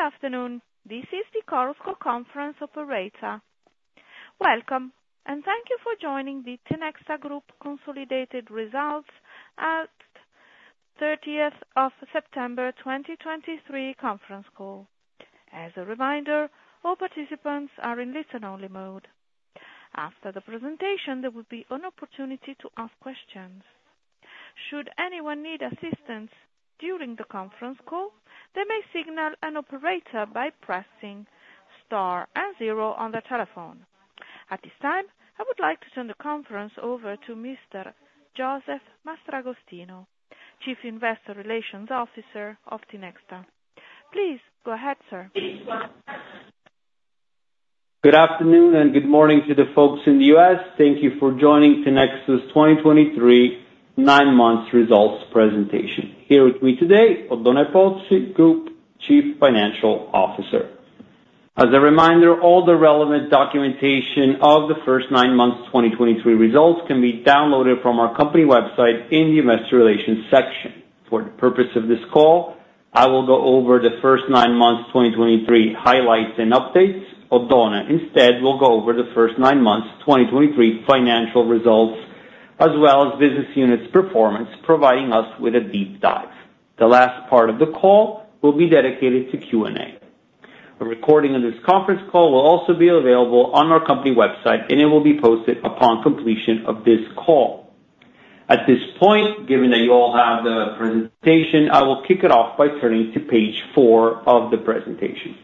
Good afternoon. This is the Chorus Call Conference Operator. Welcome, and thank you for joining the Tinexta Group Consolidated Results at September 30th, 2023 conference call. As a reminder, all participants are in listen-only mode. After the presentation, there will be an opportunity to ask questions. Should anyone need assistance during the conference call, they may signal an operator by pressing star and zero on their telephone. At this time, I would like to turn the conference over to Mr. Josef Mastragostino, Chief Investor Relations Officer of Tinexta. Please go ahead, sir. Good afternoon, and good morning to the folks in the U.S. Thank you for joining Tinexta's 2023 nine months results presentation. Here with me today, Oddone Pozzi, Group Chief Financial Officer. As a reminder, all the relevant documentation of the first nine months 2023 results can be downloaded from our company website in the Investor Relations section. For the purpose of this call, I will go over the first nine months 2023 highlights and updates. Oddone instead will go over the first nine months 2023 financial results, as well as business units performance, providing us with a deep dive. The last part of the call will be dedicated to Q&A. A recording of this conference call will also be available on our company website, and it will be posted upon completion of this call. At this point, given that you all have the presentation, I will kick it off by turning to page four of the presentation.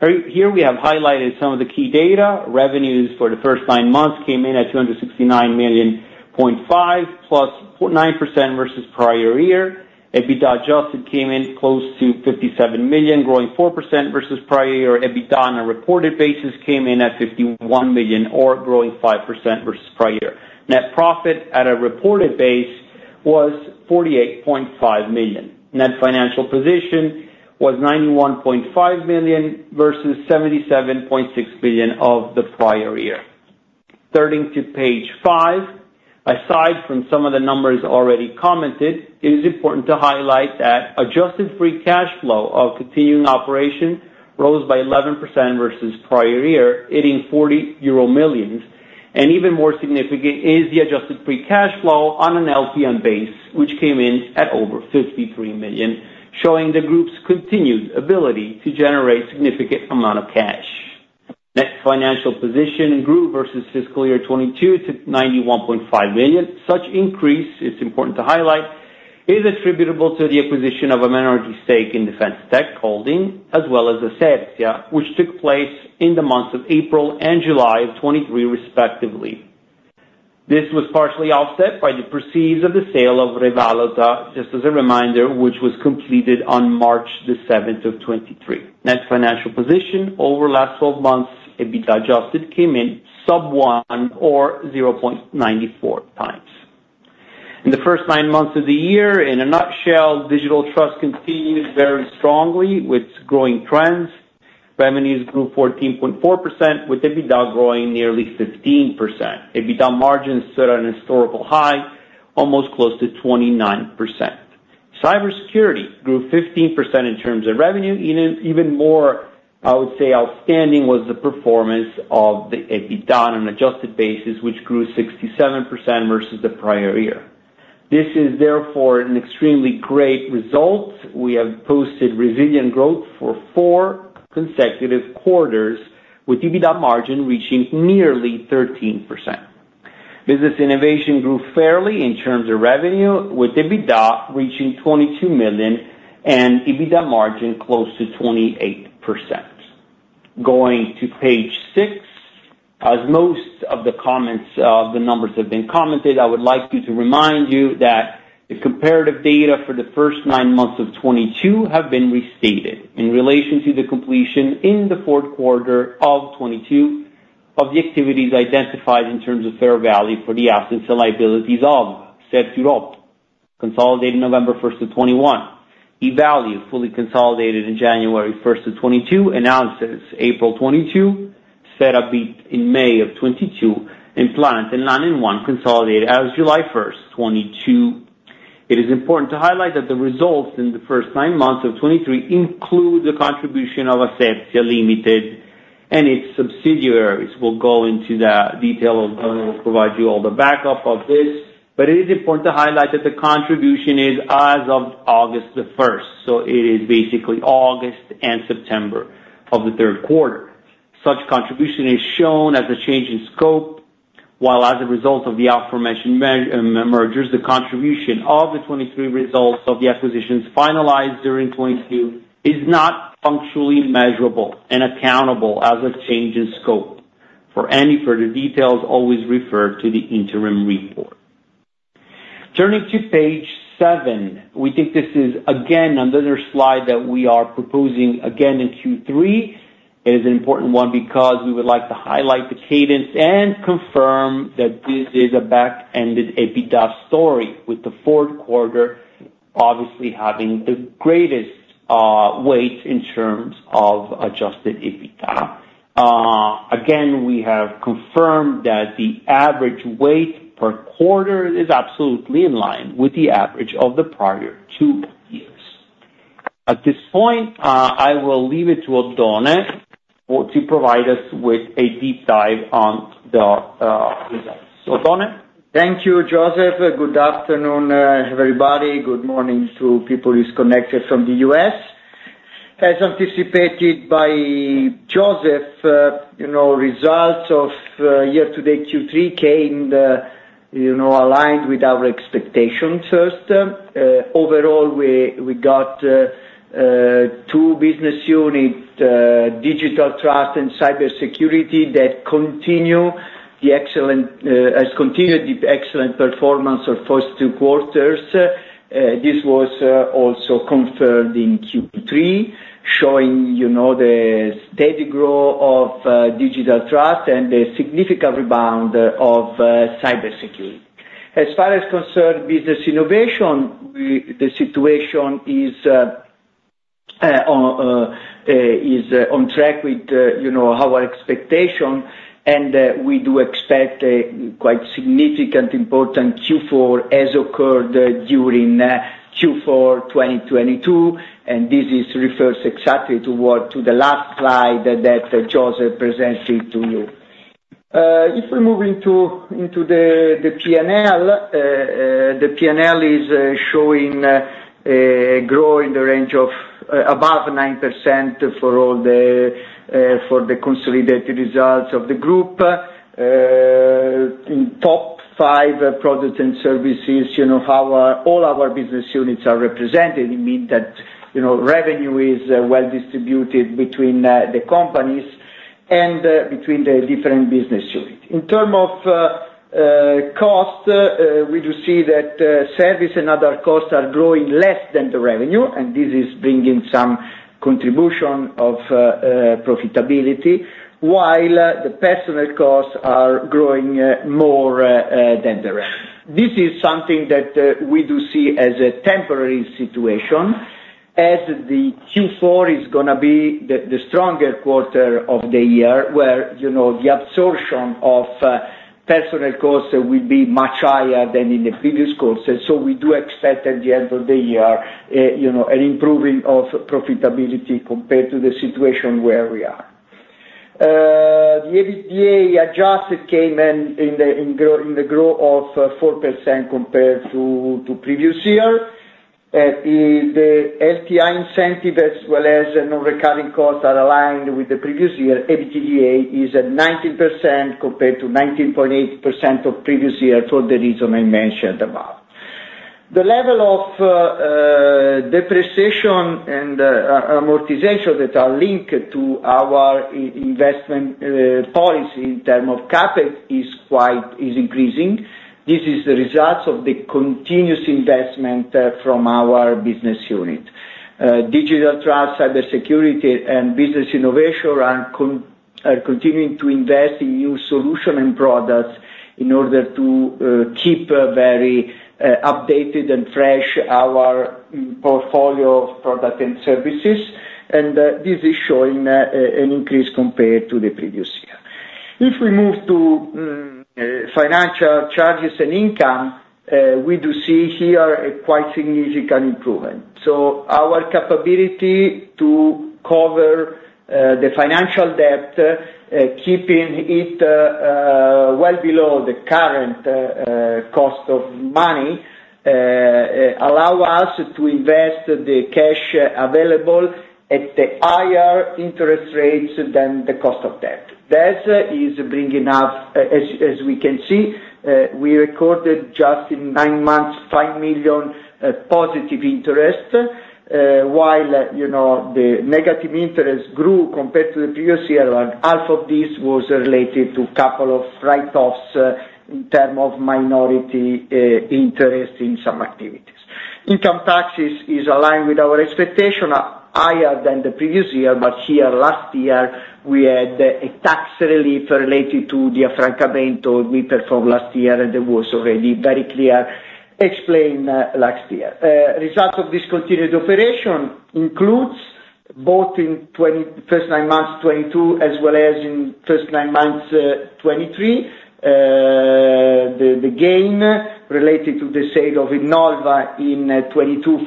Here we have highlighted some of the key data. Revenues for the first nine months came in at 269.5 million, +9% versus prior year. EBITDA adjusted came in close to 57 million, growing 4% versus prior year. EBITDA on a reported basis came in at 51 million or growing 5% versus prior year. Net profit at a reported basis was 48.5 million. Net financial position was 91.5 million versus 77.6 million of the prior year. Turning to page five. Aside from some of the numbers already commented, it is important to highlight that adjusted free cash flow of continuing operation rose by 11% versus prior year, hitting 40 million euro, and even more significant is the adjusted free cash flow on an LTM base, which came in at over 53 million, showing the group's continued ability to generate significant amount of cash. Net financial position grew versus fiscal year 2022 to 91.5 million. Such increase, it's important to highlight, is attributable to the acquisition of a minority stake in Defence Tech Holding, as well as Ascertia, which took place in the months of April and July of 2023, respectively. This was partially offset by the proceeds of the sale of Re Valuta, just as a reminder, which was completed on March the seventh of 2023. Net financial position over last 12 months, EBITDA adjusted, came in sub 1x or 0.94x. In the first nine months of the year, in a nutshell, Digital Trust continued very strongly with growing trends. Revenues grew 14.4%, with EBITDA growing nearly 15%. EBITDA margins set a historical high, almost close to 29%. Cybersecurity grew 15% in terms of revenue. Even, even more, I would say, outstanding was the performance of the EBITDA on an adjusted basis, which grew 67% versus the prior year. This is therefore an extremely great result. We have posted resilient growth for four consecutive quarters, with EBITDA margin reaching nearly 13%. Business innovation grew fairly in terms of revenue, with EBITDA reaching 22 million and EBITDA margin close to 28%. Going to page six. As most of the comments, the numbers have been commented, I would like to remind you that the comparative data for the first nine months of 2022 have been restated in relation to the completion in the fourth quarter of 2022 of the activities identified in terms of fair value for the assets and liabilities of CertEurope, consolidated November 1, 2021. Evalue, fully consolidated in January 1, 2022, Enhancers April 2022, set up in May of 2022, and Plannet nine and one, consolidated as of July 1, 2022. It is important to highlight that the results in the first nine months of 2023 include the contribution of Ascertia Limited and its subsidiaries. We'll go into the detail, and Oddone will provide you all the backup of this, but it is important to highlight that the contribution is as of August 1, so it is basically August and September of the third quarter. Such contribution is shown as a change in scope, while as a result of the aforementioned mergers, the contribution of the 2023 results of the acquisitions finalized during 2022 is not functionally measurable and accountable as a change in scope. For any further details, always refer to the interim report. Turning to page seven, we think this is, again, another slide that we are proposing again in Q3. It is an important one because we would like to highlight the cadence and confirm that this is a back-ended EBITDA story, with the fourth quarter obviously having the greatest weight in terms of adjusted EBITDA. Again, we have confirmed that the average weight per quarter is absolutely in line with the average of the prior two years. At this point, I will leave it to Oddone, for to provide us with a deep dive on the results. Oddone? Thank you, Josef. Good afternoon, everybody. Good morning to people who's connected from the U.S. As anticipated by Josef, you know, results of year-to-date Q3 came, you know, aligned with our expectations first. Overall, we got two business unit, Digital Trust and Cybersecurity, that continue the excellent, has continued the excellent performance of first two quarters. This was also confirmed in Q3, showing, you know, the steady growth of digital trust and the significant rebound of Cybersecurity. As far as concerned, business innovation, we the situation is on track with, you know, our expectation, and we do expect a quite significant important Q4, as occurred during Q4 2022, and this is refers exactly to what, to the last slide that Josef presented to you. If we move into the PNL, the PNL is showing a growth in the range of above 9% for the consolidated results of the group. In top five products and services, you know, all our business units are represented. It mean that, you know, revenue is well distributed between the companies and between the different business units. In terms of cost, we do see that service and other costs are growing less than the revenue, and this is bringing some contribution of profitability, while the personal costs are growing more than the rest. This is something that we do see as a temporary situation, as the Q4 is gonna be the stronger quarter of the year, where, you know, the absorption of personal costs will be much higher than in the previous quarters. So we do expect at the end of the year, you know, an improving of profitability compared to the situation where we are. The EBITDA adjusted came in the growth of 4% compared to previous year. The LTI incentive, as well as the non-recurring costs, are aligned with the previous year. EBITDA is at 19%, compared to 19.8% of previous year, for the reason I mentioned about. The level of depreciation and amortization that are linked to our investment policy in terms of CapEx is quite increasing. This is the results of the continuous investment from our business unit. Digital Trust, Cybersecurity, and Business Innovation are continuing to invest in new solution and products in order to keep a very updated and fresh our portfolio of product and services, and this is showing an increase compared to the previous year. If we move to financial charges and income, we do see here a quite significant improvement. So our capability to cover the financial debt keeping it well below the current cost of money allow us to invest the cash available at the higher interest rates than the cost of debt. That is bringing up, as we can see, we recorded just in nine months 5 million positive interest, while, you know, the negative interest grew compared to the previous year, and half of this was related to couple of write-offs in term of minority interest in some activities. Income taxes is aligned with our expectation, higher than the previous year, but here last year, we had a tax relief related to the affrancamento we performed last year, and that was already very clear, explained last year. Result of discontinued operation includes both in first nine months, 2022, as well as in first nine months, 2023. The gain related to the sale of Innolva in 2022,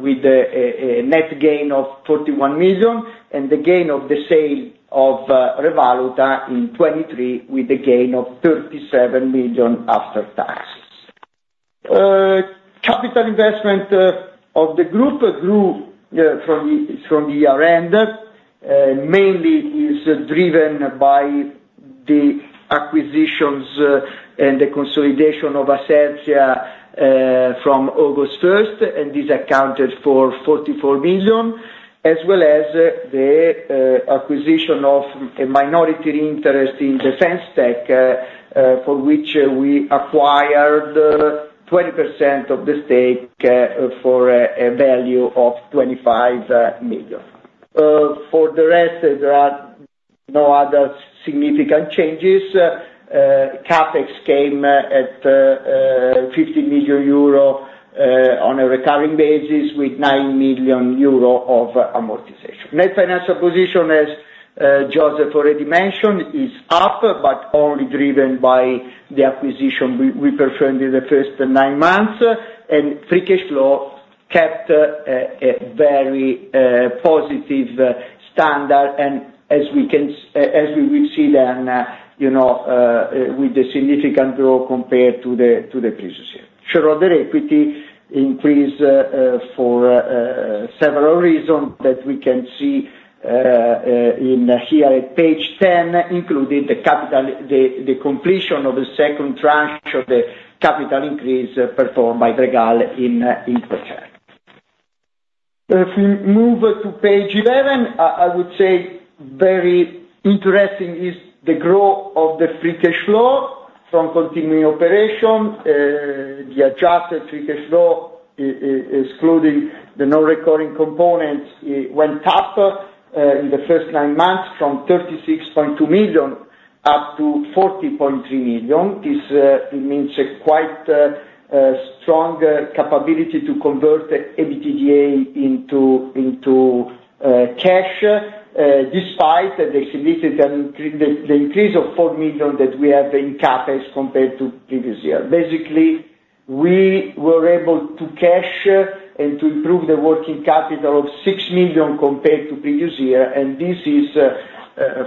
with a net gain of 41 million, and the gain of the sale of Re Valuta in 2023, with a gain of 37 million after taxes. Capital investment of the group grew from the year end, mainly is driven by the acquisitions and the consolidation of Ascertia from August first, and this accounted for 44 million, as well as the acquisition of a minority interest in Defence Tech, for which we acquired 20% of the stake for a value of 25 million. For the rest, there are no other significant changes. CapEx came at 50 million euro on a recurring basis with 9 million euro of amortization. Net financial position, as Joseph already mentioned, is up, but only driven by the acquisition we performed in the first nine months, and free cash flow kept very positive standard. And as we will see then, you know, with the significant growth compared to the previous year. Shareholder equity increased for several reasons that we can see here at page 10, including the completion of the second tranche of the capital increase performed by Bregal in InfoCert. If we move to page 11, I would say very interesting is the growth of the free cash flow from continuing operation. The adjusted free cash flow, excluding the non-recurring components, it went up in the first nine months from 36.2 million up to 40.3 million. This means a quite strong capability to convert the EBITDA into cash despite the significant increase of 4 million that we have in CapEx compared to previous year. Basically, we were able to cash and to improve the working capital of 6 million compared to previous year, and this is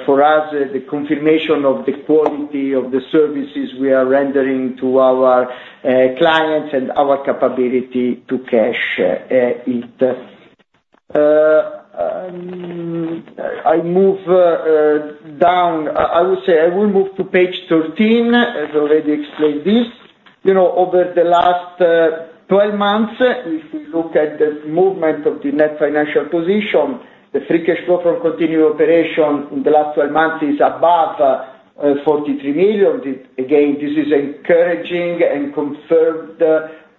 for us the confirmation of the quality of the services we are rendering to our clients and our capability to cash it. I would say I will move to page 13. As already explained this, you know, over the last 12 months, if we look at the movement of the net financial position, the free cash flow from continuing operation in the last 12 months is above 43 million. Again, this is encouraging and confirmed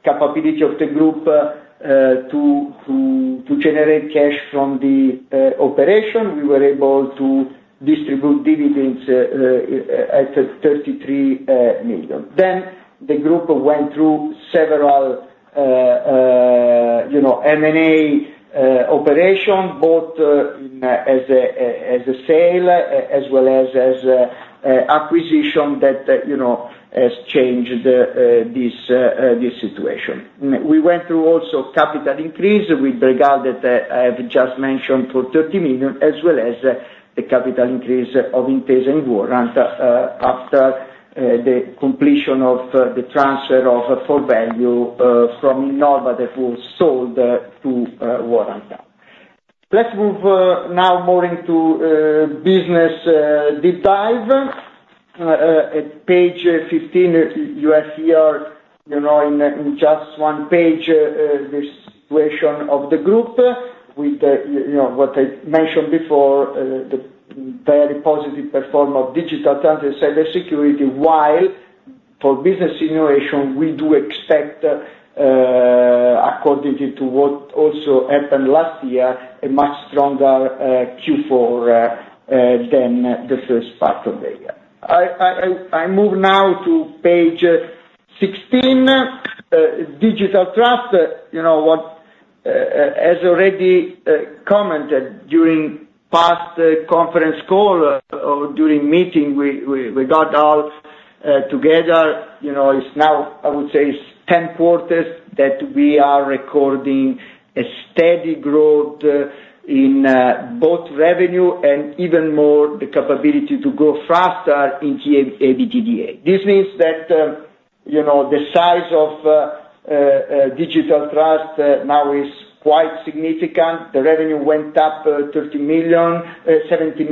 capability of the group to generate cash from the operation. We were able to distribute dividends at 33 million. Then the group went through several, you know, M&A operation, both as a sale as well as acquisition that you know has changed this situation. We went through also capital increase with Bregal that, I have just mentioned, for 30 million, as well as the capital increase of Intesa and Warrant, after the completion of the transfer of full value, from Innolva that was sold to Warrant. Let's move now more into business deep dive. At page 15, you have here, you know, in just one page, the situation of the group with, you know, what I mentioned before, the very positive performance of Digital Trust and Cybersecurity, while for business innovation, we do expect, according to what also happened last year, a much stronger Q4 than the first part of the year. I move now to page 16. Digital Trust, you know what? As already commented during past conference call, or during meeting, we got all together, you know, it's now, I would say, it's 10 quarters that we are recording a steady growth in both revenue and even more the capability to grow faster in GAAP EBITDA. This means that, you know, the size of digital trust now is quite significant. The revenue went up 37 million. It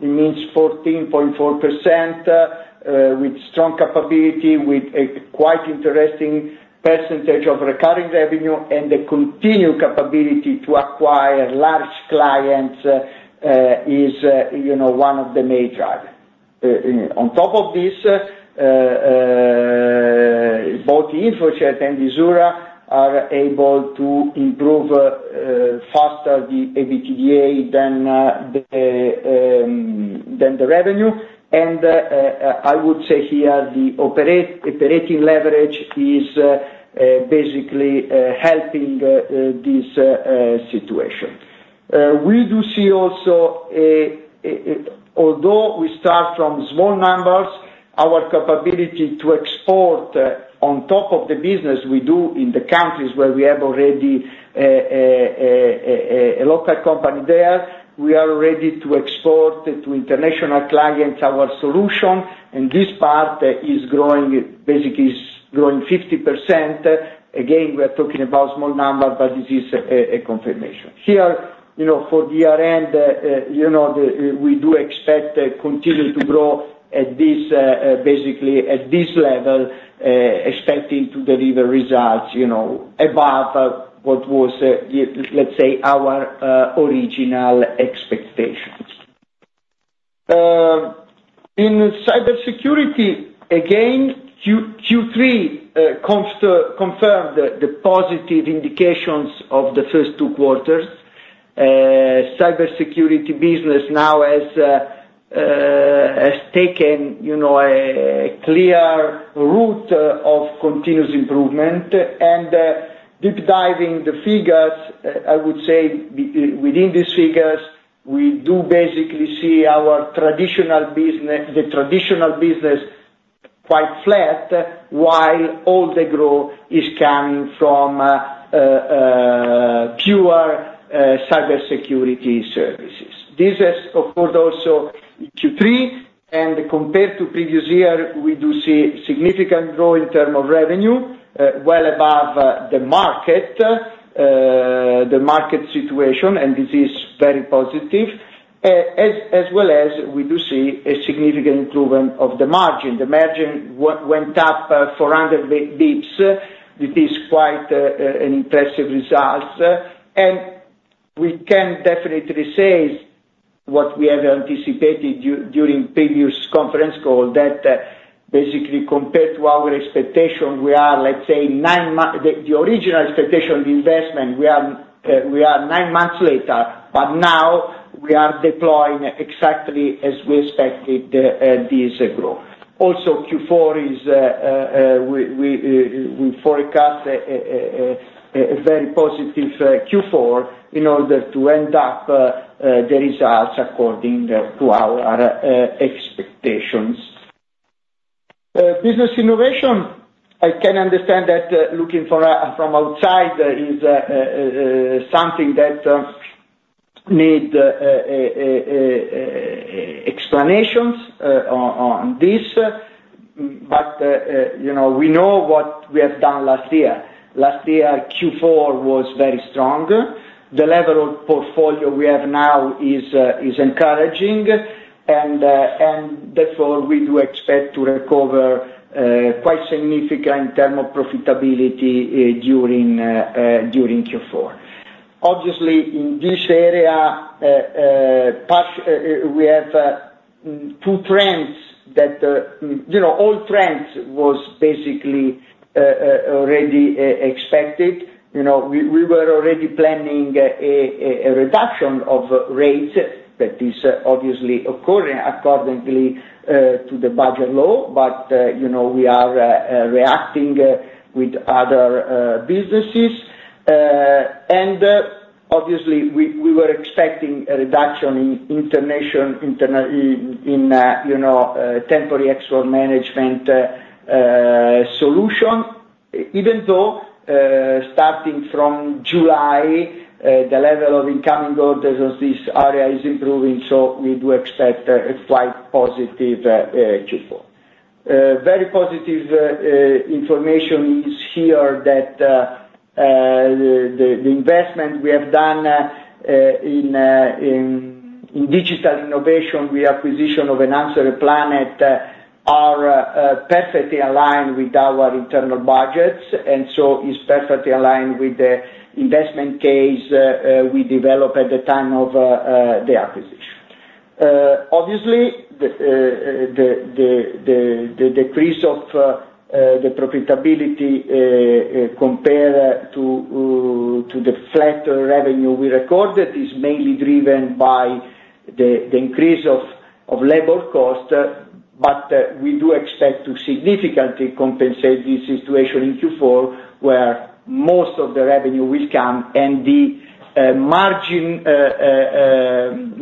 means 14.4% with strong capability, with a quite interesting percentage of recurring revenue, and the continued capability to acquire large clients is, you know, one of the major driver. On top of this, both InfoCert and Visura are able to improve faster the EBITDA than the revenue. I would say here, the operating leverage is basically helping this situation. We do see also, although we start from small numbers, our capability to export, on top of the business we do in the countries where we have already a local company there, we are ready to export to international clients our solution, and this part is growing, basically is growing 50%. Again, we are talking about small numbers, but this is a confirmation. Here, you know, for the year end, you know, we do expect continue to grow at this basically at this level, expecting to deliver results, you know, above what was, let's say, our original expectations. In Cybersecurity, again, Q3 confirmed the positive indications of the first two quarters. Cybersecurity business now has taken, you know, a clear route of continuous improvement. Deep diving the figures, I would say, within these figures, we do basically see our traditional business, the traditional business quite flat, while all the growth is coming from pure Cybersecurity services. This has supported also Q3, and compared to previous year, we do see significant growth in term of revenue, well above the market, the market situation, and this is very positive. As well as we do see a significant improvement of the margin. The margin went up 400 basis points. This is quite an impressive results. We can definitely say what we have anticipated during previous conference call, that basically, compared to our expectation, we are, let's say, 9 months - the original expectation of the investment, we are nine months later, but now we are deploying exactly as we expected this growth. Also, Q4 is we forecast a very positive Q4 in order to end up the results according to our expectations. Business innovation, I can understand that looking from outside is something that needs explanations on this. But you know, we know what we have done last year. Last year, Q4 was very strong. The level of portfolio we have now is, is encouraging, and, and therefore, we do expect to recover, quite significant in term of profitability, during Q4. Obviously, in this area, part, we have, two trends that, you know, all trends was basically, already expected. You know, we, we were already planning a reduction of rates that is obviously occurring accordingly, to the budget law, but, you know, we are, reacting, with other, businesses. And, obviously, we, we were expecting a reduction in international, in, in, you know, temporary export management, solution, even though, starting from July, the level of incoming orders of this area is improving, so we do expect, a slight positive, Q4. Very positive information is here that the investment we have done in digital innovation, the acquisition of Enhancers and Plannet, are perfectly aligned with our internal budgets, and so is perfectly aligned with the investment case we developed at the time of the acquisition. Obviously, the decrease of the profitability compared to the flat revenue we recorded is mainly driven by the increase of labor cost, but we do expect to significantly compensate this situation in Q4, where most of the revenue will come and the margin, the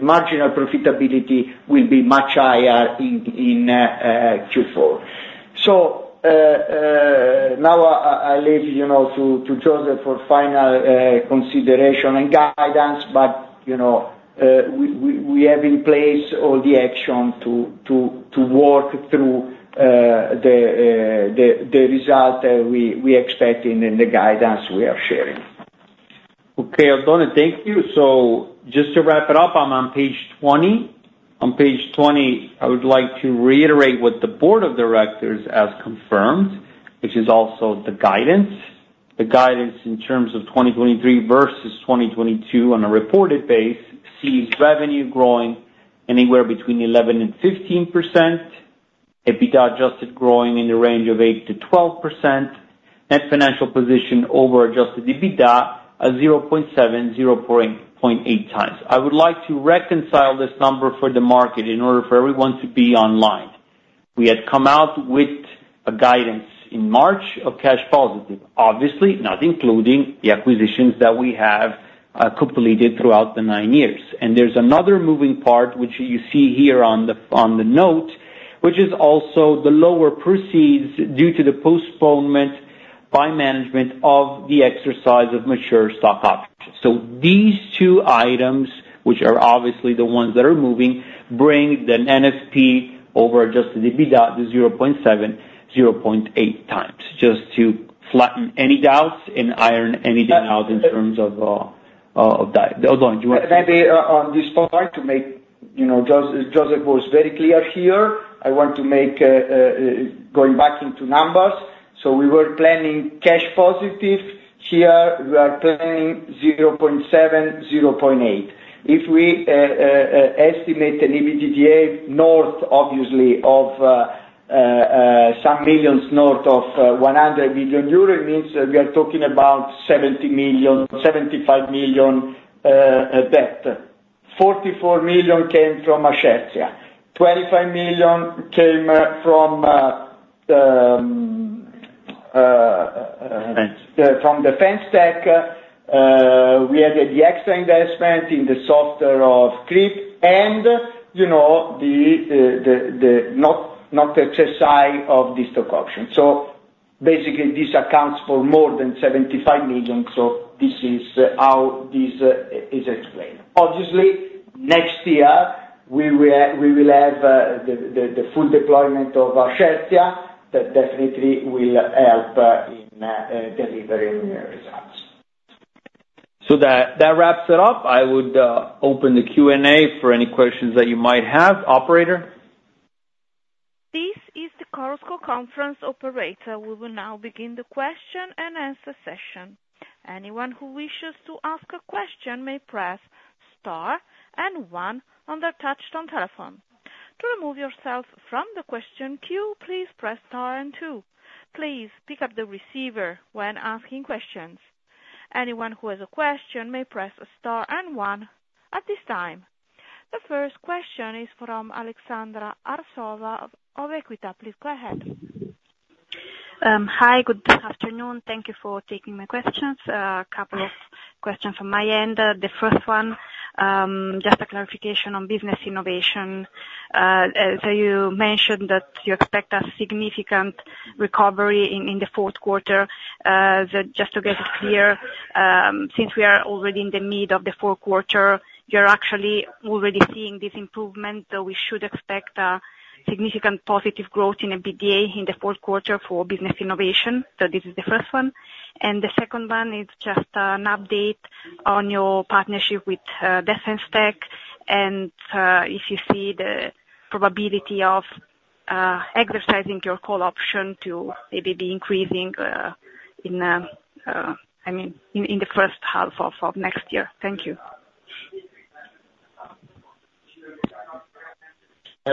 marginal profitability will be much higher in Q4. So, now, I leave you now to Joseph for final consideration and guidance, but, you know, we have in place all the action to work through the result we expecting and the guidance we are sharing. Okay, Oddone, thank you. So just to wrap it up, I'm on page 20. On page 20, I would like to reiterate what the board of directors has confirmed, which is also the guidance. The guidance in terms of 2023 versus 2022 on a reported basis sees revenue growing anywhere between 11%-15%, EBITDA adjusted growing in the range of 8%-12%, net financial position over adjusted EBITDA 0.7x-0.8x. I would like to reconcile this number for the market in order for everyone to be online. We had come out with a guidance in March of cash positive, obviously, not including the acquisitions that we have completed throughout the nine years. There's another moving part, which you see here on the note, which is also the lower proceeds due to the postponement by management of the exercise of mature stock options. So these two items, which are obviously the ones that are moving, bring the NFP over adjusted EBITDA to 0.7x-0.8x, just to flatten any doubts and iron anything out in terms of that. Oddone, do you want to- Maybe, on this point to make... You know, Josef was very clear here. I want to make, going back into numbers. We were planning cash positive. Here, we are planning 0.7x, 0.8x. If we estimate an EBITDA north, obviously, of some millions north of 100 million euro means we are talking about 70 million-75 million debt. 44 million came from inaudible. 25 million came from, Defense. From Defence Tech. We had the extra investment in the software of [clip] and, you know, the non-exercise of the stock option. So basically, this accounts for more than 75 million. So this is how this is explained. Obviously, next year, we will have the full deployment of our that definitely will help in delivering the results. So that, that wraps it up. I would open the Q&A for any questions that you might have. Operator? This is the Coralville Conference Operator. We will now begin the question and answer session. Anyone who wishes to ask a question may press Star and One on their touchtone telephone. To remove yourself from the question queue, please press Star and Two. Please pick up the receiver when asking questions. Anyone who has a question may press Star and One. At this time, the first question is from Aleksandra Arsova of Equita. Please go ahead. Hi, good afternoon. Thank you for taking my questions. A couple of questions from my end. The first one, just a clarification on business innovation. So you mentioned that you expect a significant recovery in the fourth quarter. Just to get it clear, since we are already in the mid of the fourth quarter, you're actually already seeing this improvement, so we should expect a significant positive growth in the EBITDA in the fourth quarter for business innovation. So this is the first one. And the second one is just, an update on your partnership with, Defense Tech, and, if you see the probability of, exercising your call option to maybe be increasing, I mean, in the first half of next year. Thank you.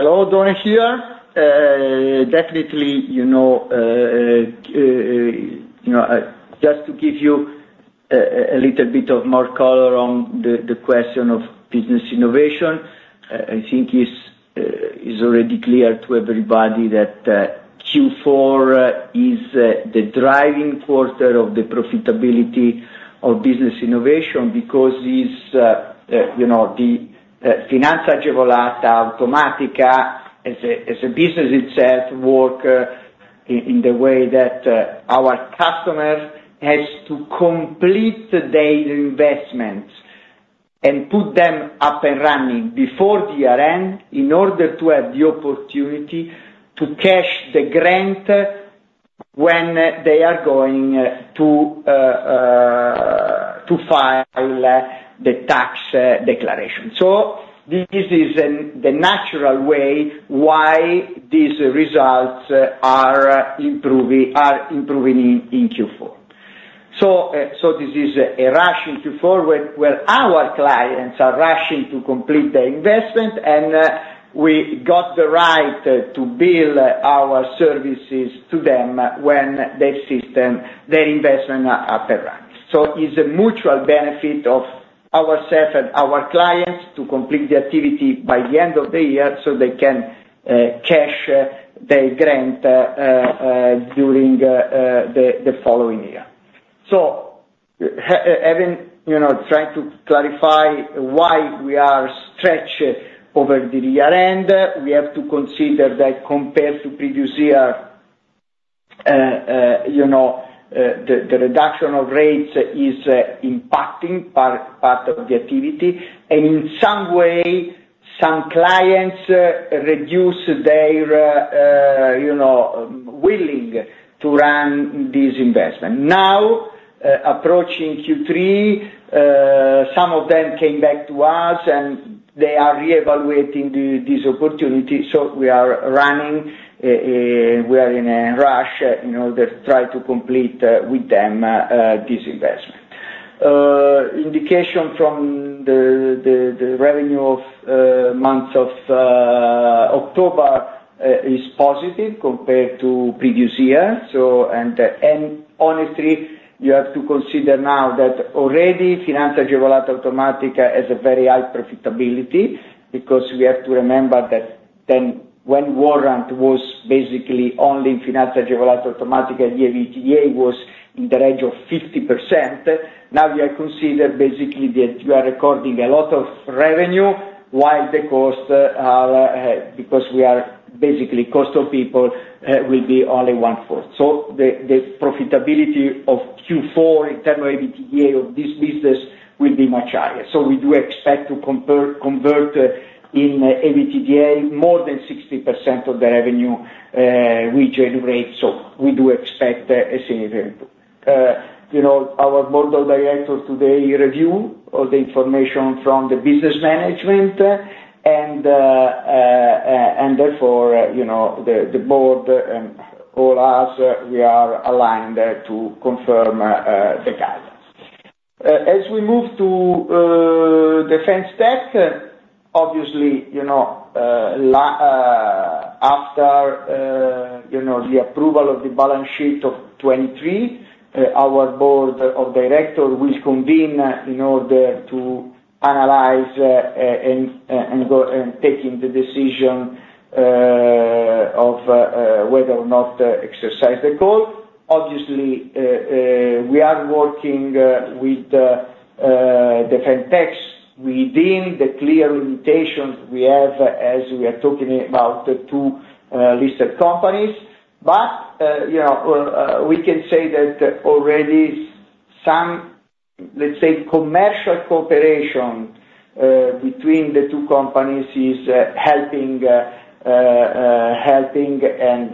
Hello, Donna here. Definitely, you know, you know, just to give you a little bit of more color on the question of business innovation, I think is already clear to everybody that Q4 is the driving quarter of the profitability of business innovation because it's you know, the Finanza Agevolata as a business itself, work in the way that our customers has to complete their investments and put them up and running before the year end, in order to have the opportunity to cash the grant when they are going to to file the tax declaration. So this is the natural way why these results are improving, are improving in Q4. So, so this is a rush in Q4, where our clients are rushing to complete the investment, and we got the right to bill our services to them when their system, their investment are up and running. So it's a mutual benefit of ourselves and our clients to complete the activity by the end of the year, so they can cash their grant during the following year. So having, you know, trying to clarify why we are stretched over the year end, we have to consider that compared to previous year, you know, the reduction of rates is impacting part of the activity, and in some way, some clients reduce their you know willing to run this investment. Now, approaching Q3, some of them came back to us, and they are reevaluating this opportunity, so we are in a rush, you know, to try to complete with them this investment. Indication from the revenue of months of October is positive compared to previous year. So, and honestly, you have to consider now that already Finanza Agevolata has a very high profitability, because we have to remember that then, when Warrant was basically only in Finanza Agevolata, the EBITDA was in the range of 50%. Now, we are considered basically that we are recording a lot of revenue, while the costs are, because we are basically cost of people, will be only one-fourth. So the profitability of Q4 in terms of EBITDA of this business will be much higher. So we do expect to convert in EBITDA more than 60% of the revenue we generate. So we do expect a significant. You know, our board of directors today review all the information from the business management and therefore, you know, the board and all us, we are aligned to confirm the guide. As we move to Defence Tech, obviously, you know, after the approval of the balance sheet of 2023, our board of directors will convene in order to analyze and go and taking the decision of whether or not to exercise the call. Obviously, we are working with the Defense Tech within the clear limitations we have, as we are talking about the two listed companies. But, you know, we can say that already some, let's say, commercial cooperation between the two companies is helping and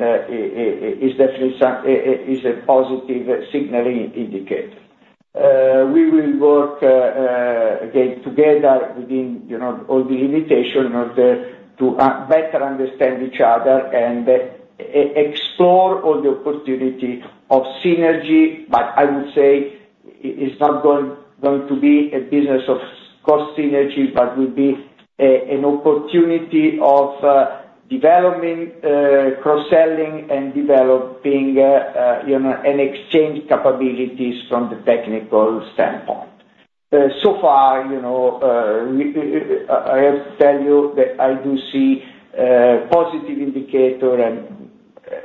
is definitely some is a positive signaling indicator. We will work again, together within, you know, all the limitation in order to better understand each other and explore all the opportunity of synergy, but I would say it's not going to be a business of cost synergy, but will be an opportunity of developing cross-selling and developing, you know, and exchange capabilities from the technical standpoint. So far, you know, I have to tell you that I do see positive indicator, and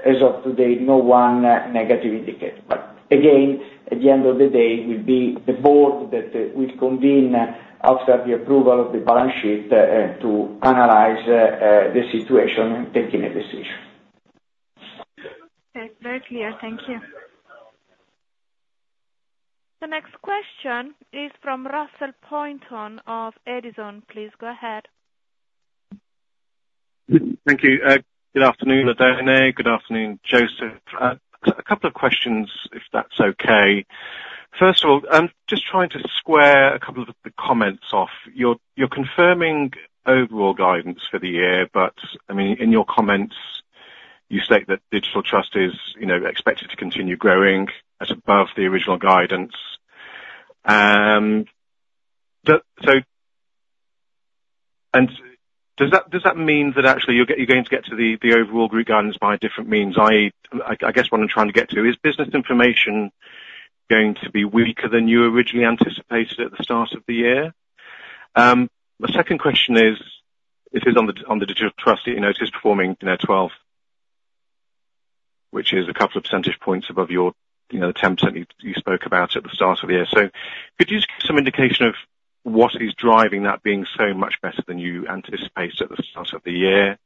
as of today, no one negative indicator. But again, at the end of the day, will be the board that will convene after the approval of the balance sheet to analyze the situation and taking a decision. Okay, very clear. Thank you. The next question is from Russell Pointon of Edison. Please go ahead. Thank you. Good afternoon, Oddone. Good afternoon, Joseph. A couple of questions, if that's okay. First of all, I'm just trying to square a couple of the comments off. You're confirming overall guidance for the year, but, I mean, in your comments, you state that Digital Trust is, you know, expected to continue growing at above the original guidance. And does that mean that actually you're going to get to the overall group guidance by a different means? I guess what I'm trying to get to is business information going to be weaker than you originally anticipated at the start of the year? My second question is, this is on the, on the Digital Trust, you know, it is performing, you know, 12, which is a couple of percentage points above your, you know, attempts that you spoke about at the start of the year. So could you just give some indication of what is driving that being so much better than you anticipated at the start of the year?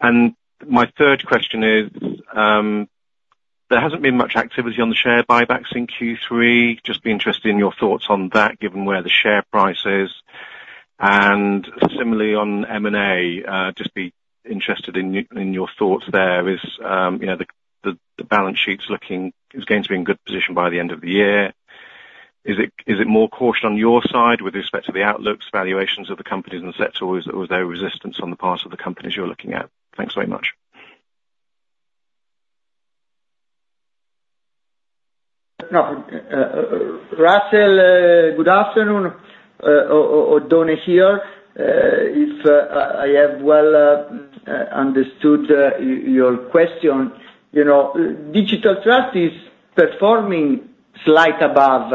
And my third question is, there hasn't been much activity on the share buybacks in Q3. Just be interested in your thoughts on that, given where the share price is. And similarly on M&A, just be interested in your thoughts there. You know, the balance sheet's looking, is going to be in good position by the end of the year. Is it, is it more cautious on your side with respect to the outlooks, valuations of the companies and sector, or is there resistance on the part of the companies you're looking at? Thanks very much. Russell, good afternoon, Oddone here. If I have well understood your question, you know, Digital Trust is performing slightly above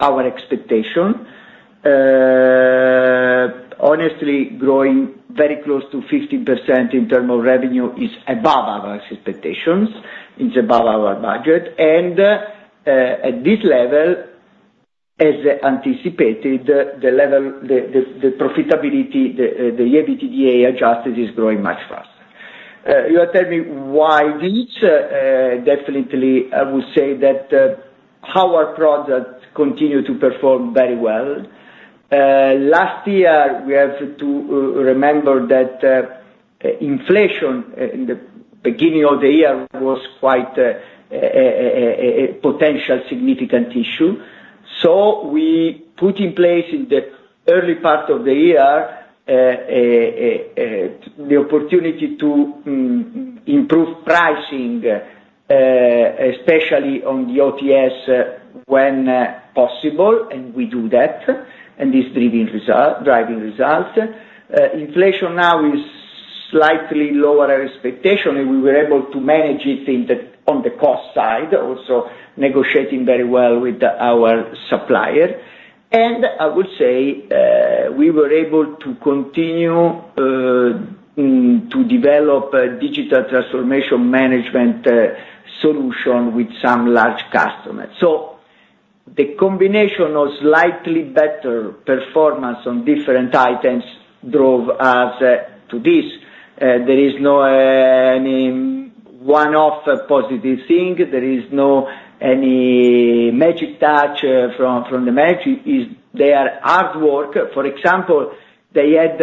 our expectation. Honestly, growing very close to 50% in terms of revenue is above our expectations. It's above our budget, and at this level, as anticipated, the profitability, the EBITDA adjusted is growing much faster. You are telling me why this? Definitely, I would say that our products continue to perform very well. Last year, we have to remember that inflation in the beginning of the year was quite a potential significant issue. So we put in place in the early part of the year, the opportunity to improve pricing, especially on the OTS when possible, and we do that, and it's driving result, driving results. Inflation now is slightly lower our expectation, and we were able to manage it in the on the cost side, also negotiating very well with our supplier. And I would say, we were able to continue to develop a digital transformation management solution with some large customers. So the combination of slightly better performance on different items drove us to this. There is no any one-off positive thing. There is no any magic touch from the magic, is their hard work. For example, they had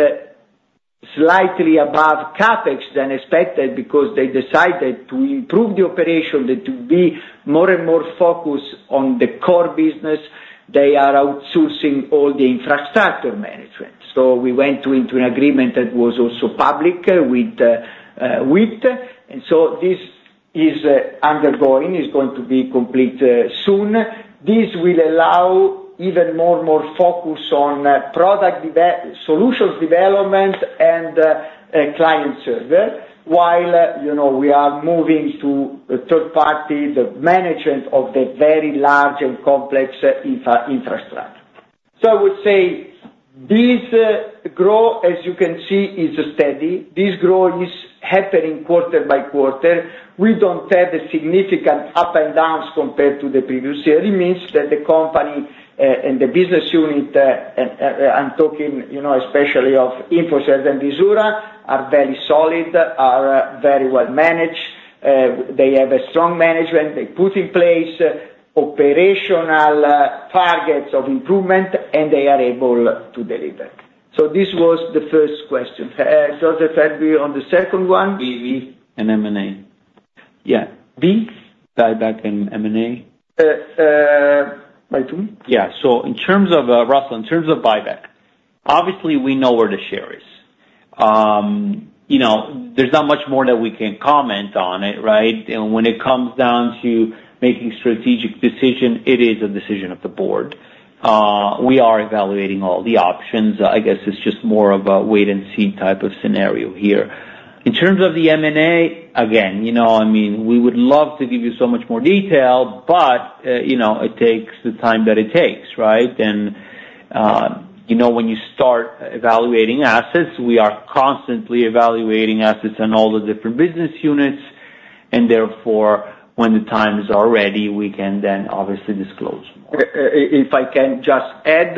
slightly above CapEx than expected because they decided to improve the operation, that to be more and more focused on the core business, they are outsourcing all the infrastructure management. So we went into an agreement that was also public with with. And so this is undergoing, is going to be complete soon. This will allow even more and more focus on product solutions development and client service, while, you know, we are moving to third party the management of the very large and complex infrastructure. So I would say this growth, as you can see, is steady. This growth is happening quarter by quarter. We don't have the significant up and downs compared to the previous year. It means that the company and the business unit I'm talking, you know, especially of InfoCert and Visura, are very solid, are very well managed. They have a strong management. They put in place operational targets of improvement, and they are able to deliver. So this was the first question. Josef, help me on the second one? Yeah, buyback and M&A. by whom? Yeah. So in terms of, Russell, in terms of buyback, obviously we know where the share is. You know, there's not much more that we can comment on it, right? And when it comes down to making strategic decision, it is a decision of the board. We are evaluating all the options. I guess it's just more of a wait-and-see type of scenario here. In terms of the M&A, again, you know, I mean, we would love to give you so much more detail, but, you know, it takes the time that it takes, right? And, you know, when you start evaluating assets, we are constantly evaluating assets in all the different business units, and therefore, when the time is already, we can then obviously disclose more. If I can just add,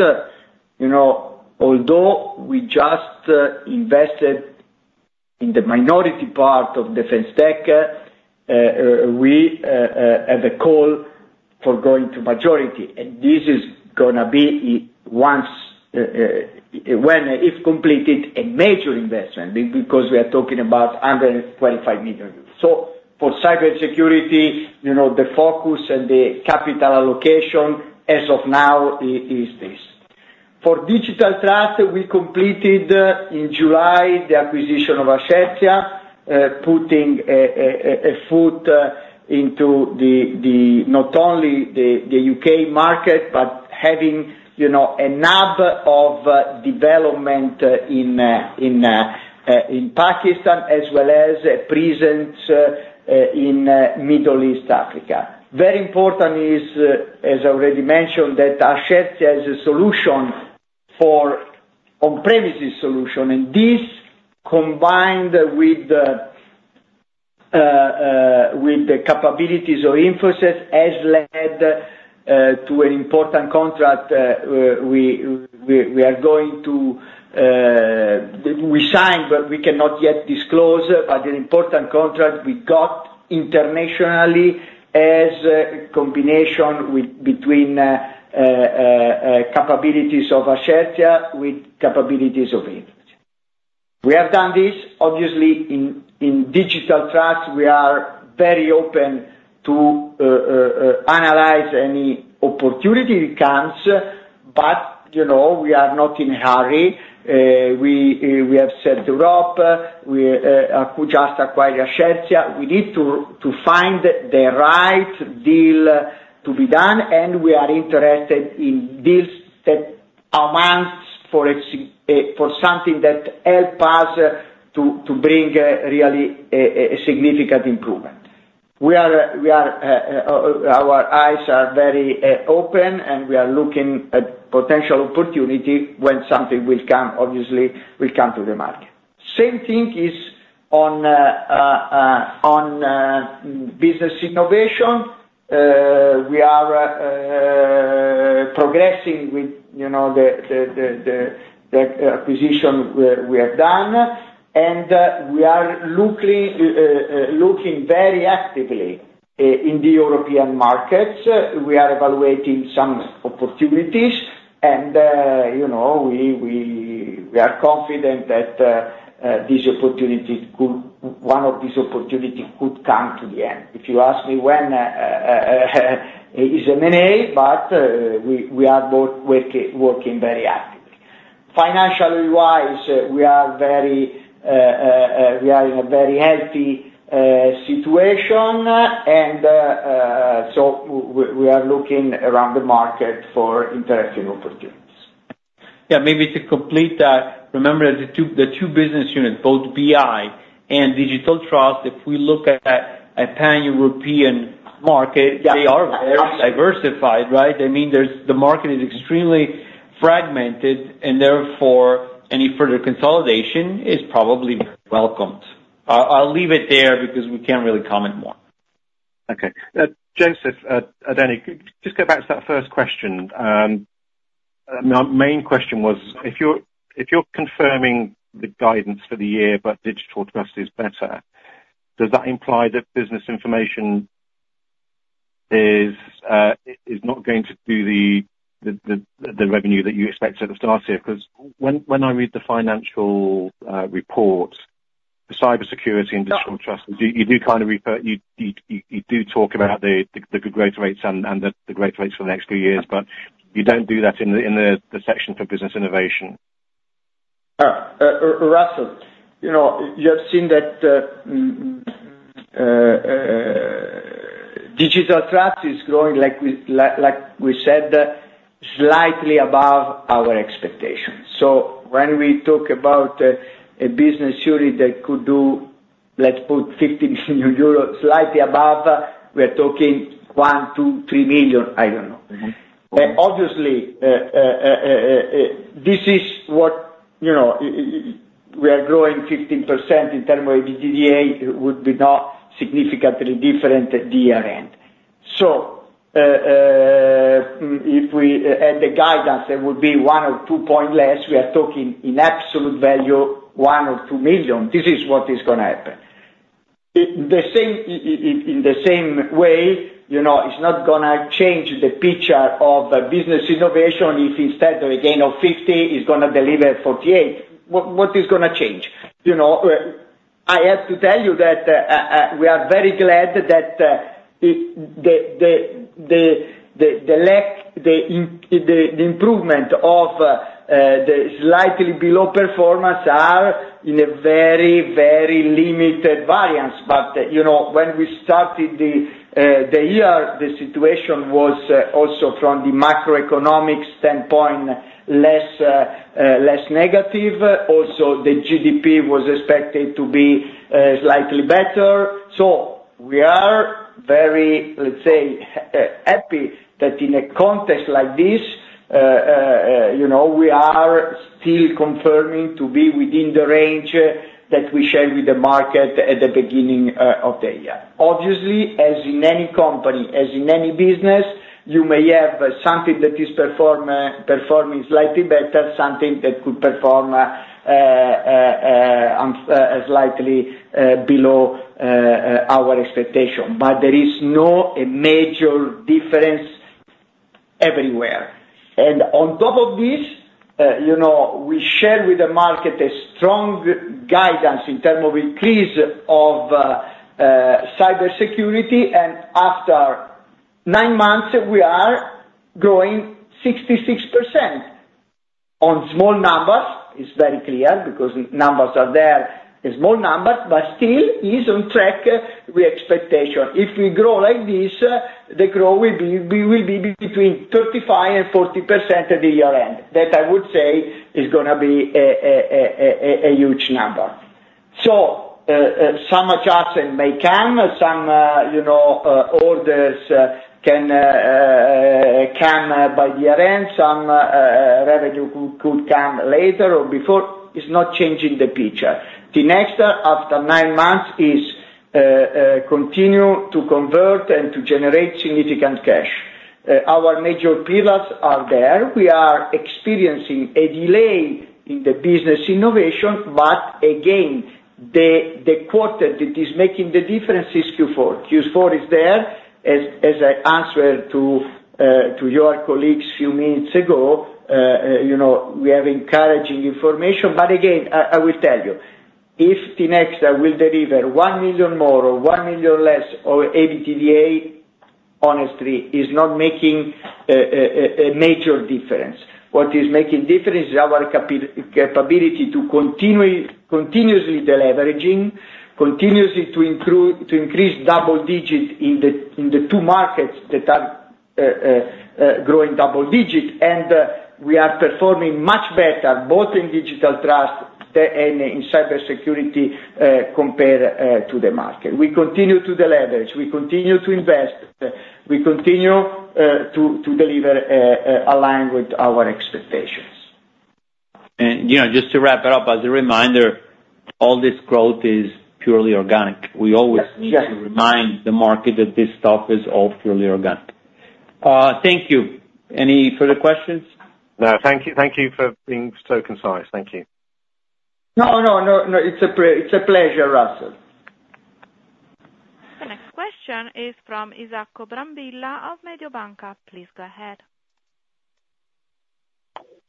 you know, although we just invested in the minority part of the Defence Tech, we have a call option for going to majority, and this is gonna be once, when it's completed, a major investment, because we are talking about under 25 million. So for Cybersecurity, you know, the focus and the capital allocation as of now is this. For Digital Trust, we completed in July the acquisition of Ascertia, putting a foot into not only the U.K. market, but having, you know, a hub of development in Pakistan, as well as a presence in Middle East, Africa. Very important is, as I already mentioned, that Ascertia has a solution for on-premises solution, and this, combined with the capabilities of InfoCert, has led to an important contract we are going to, we signed, but we cannot yet disclose, but an important contract we got internationally as a combination between capabilities of Ascertia with capabilities of InfoCert. We have done this, obviously, in Digital Trust, we are very open to analyze any opportunity that comes, but, you know, we are not in a hurry. We have set the inaudible, we could just acquire Ascertia. We need to find the right deal to be done, and we are interested in deals that amounts for ex- for something that help us to bring really a significant improvement. Our eyes are very open, and we are looking at potential opportunity when something will come, obviously, will come to the market. Same thing is on business innovation. We are progressing with, you know, the acquisition where we are done, and we are looking very actively in the European markets. We are evaluating some opportunities, and, you know, we are confident that this opportunity could one of this opportunity could come to the end. If you ask me when is M&A, but we are both working very actively. Financially wise, we are very, we are in a very healthy situation, and so we are looking around the market for interesting opportunities. Yeah, maybe to complete that, remember, the two, the two business units, both BI and Digital Trust, if we look at a, a Pan-European market- Yeah. They are very diversified, right? I mean, the market is extremely fragmented, and therefore, any further consolidation is probably very welcomed. I'll leave it there because we can't really comment more. Okay. Joseph, then just go back to that first question. My main question was, if you're confirming the guidance for the year, but Digital Trust is better, does that imply that business information is not going to do the revenue that you expect at the start of the year? 'Cause when I read the financial report, the Cybersecurity and Digital Trust, you do kind of refer—you do talk about the good growth rates and the growth rates for the next few years, but you don't do that in the section for business innovation. ... Russell, you know, you have seen that, digital trust is growing like we, like, like we said, slightly above our expectations. So when we talk about, a business unit that could do, let's put 15 billion euros, slightly above, we are talking one, two, three million, I don't know. Obviously, this is what, you know, we are growing 15% in terms of the EBITDA, it would be not significantly different at the year-end. So, if we add the guidance, it would be one or two point less. We are talking in absolute value, one or two million, this is what is gonna happen. In the same way, you know, it's not gonna change the picture of the business innovation if instead of a gain of 50, it's gonna deliver 48. What is gonna change? You know, I have to tell you that we are very glad that the improvement of the slightly below performance are in a very, very limited variance. But, you know, when we started the year, the situation was also from the macroeconomic standpoint less negative. Also, the GDP was expected to be slightly better. So we are very, let's say, happy, that in a context like this, you know, we are still confirming to be within the range that we shared with the market at the beginning of the year. Obviously, as in any company, as in any business, you may have something that is performing slightly better, something that could perform slightly below our expectation, but there is no a major difference everywhere. And on top of this, you know, we share with the market a strong guidance in terms of increase of Cybersecurity, and after nine months, we are growing 66%. On small numbers, it's very clear, because the numbers are there. The small numbers, but still is on track with expectation. If we grow like this, the growth will be, we will be between 35% and 40% at the year-end. That I would say is gonna be a huge number. So, some adjustment may come, some, you know, orders can come by year-end, some revenue could come later or before, it's not changing the picture. Finastra, after nine months, is continue to convert and to generate significant cash. Our major pillars are there. We are experiencing a delay in the business innovation, but again, the quarter that is making the difference is Q4. Q4 is there, as I answered to your colleagues a few minutes ago, you know, we are encouraging information, but again, I will tell you, if Finastra will deliver 1 million more or 1 million less or EBITDA, honestly, is not making a major difference. What is making difference is our capability to continuously deleveraging, continuously to improve to increase double-digit in the two markets that are growing double-digit, and we are performing much better, both in Digital Trust and in Cybersecurity, compared to the market. We continue to deleverage, we continue to invest, we continue to deliver aligned with our expectations. You know, just to wrap it up, as a reminder, all this growth is purely organic. We always- Yes. Just remind the market that this stuff is all purely organic. Thank you. Any further questions? No, thank you. Thank you for being so concise. Thank you. No, no, no, no, it's a pleasure, Russell. The next question is from Isacco Brambilla of Mediobanca. Please go ahead.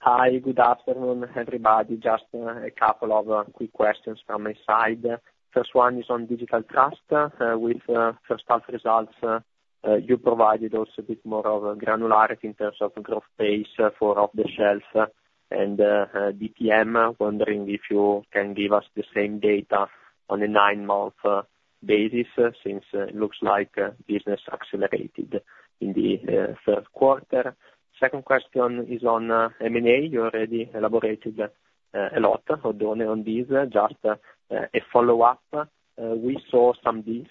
Hi, good afternoon, everybody. Just a couple of quick questions from my side. First one is on Digital Trust. With first half results, you provided also a bit more of a granularity in terms of growth pace for off-the-shelf and DPM. Wondering if you can give us the same data on a nine-month basis, since it looks like business accelerated in the third quarter. Second question is on M&A. You already elaborated a lot, Oddone, on this. Just a follow-up. We saw some deals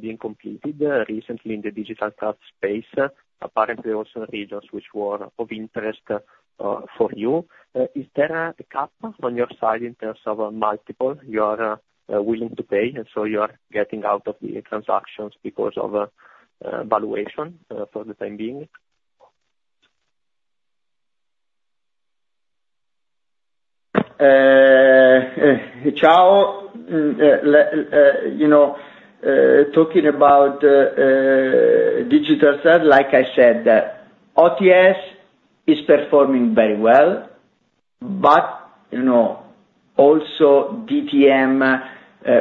being completed recently in the Digital Trust space, apparently also regions which were of interest for you. Is there a cap on your side in terms of multiple you are willing to pay, and so you are getting out of the transactions because of valuation for the time being? Ciao, you know, talking about Digital Trust, like I said, OTS is performing very well, but, you know, also DTM,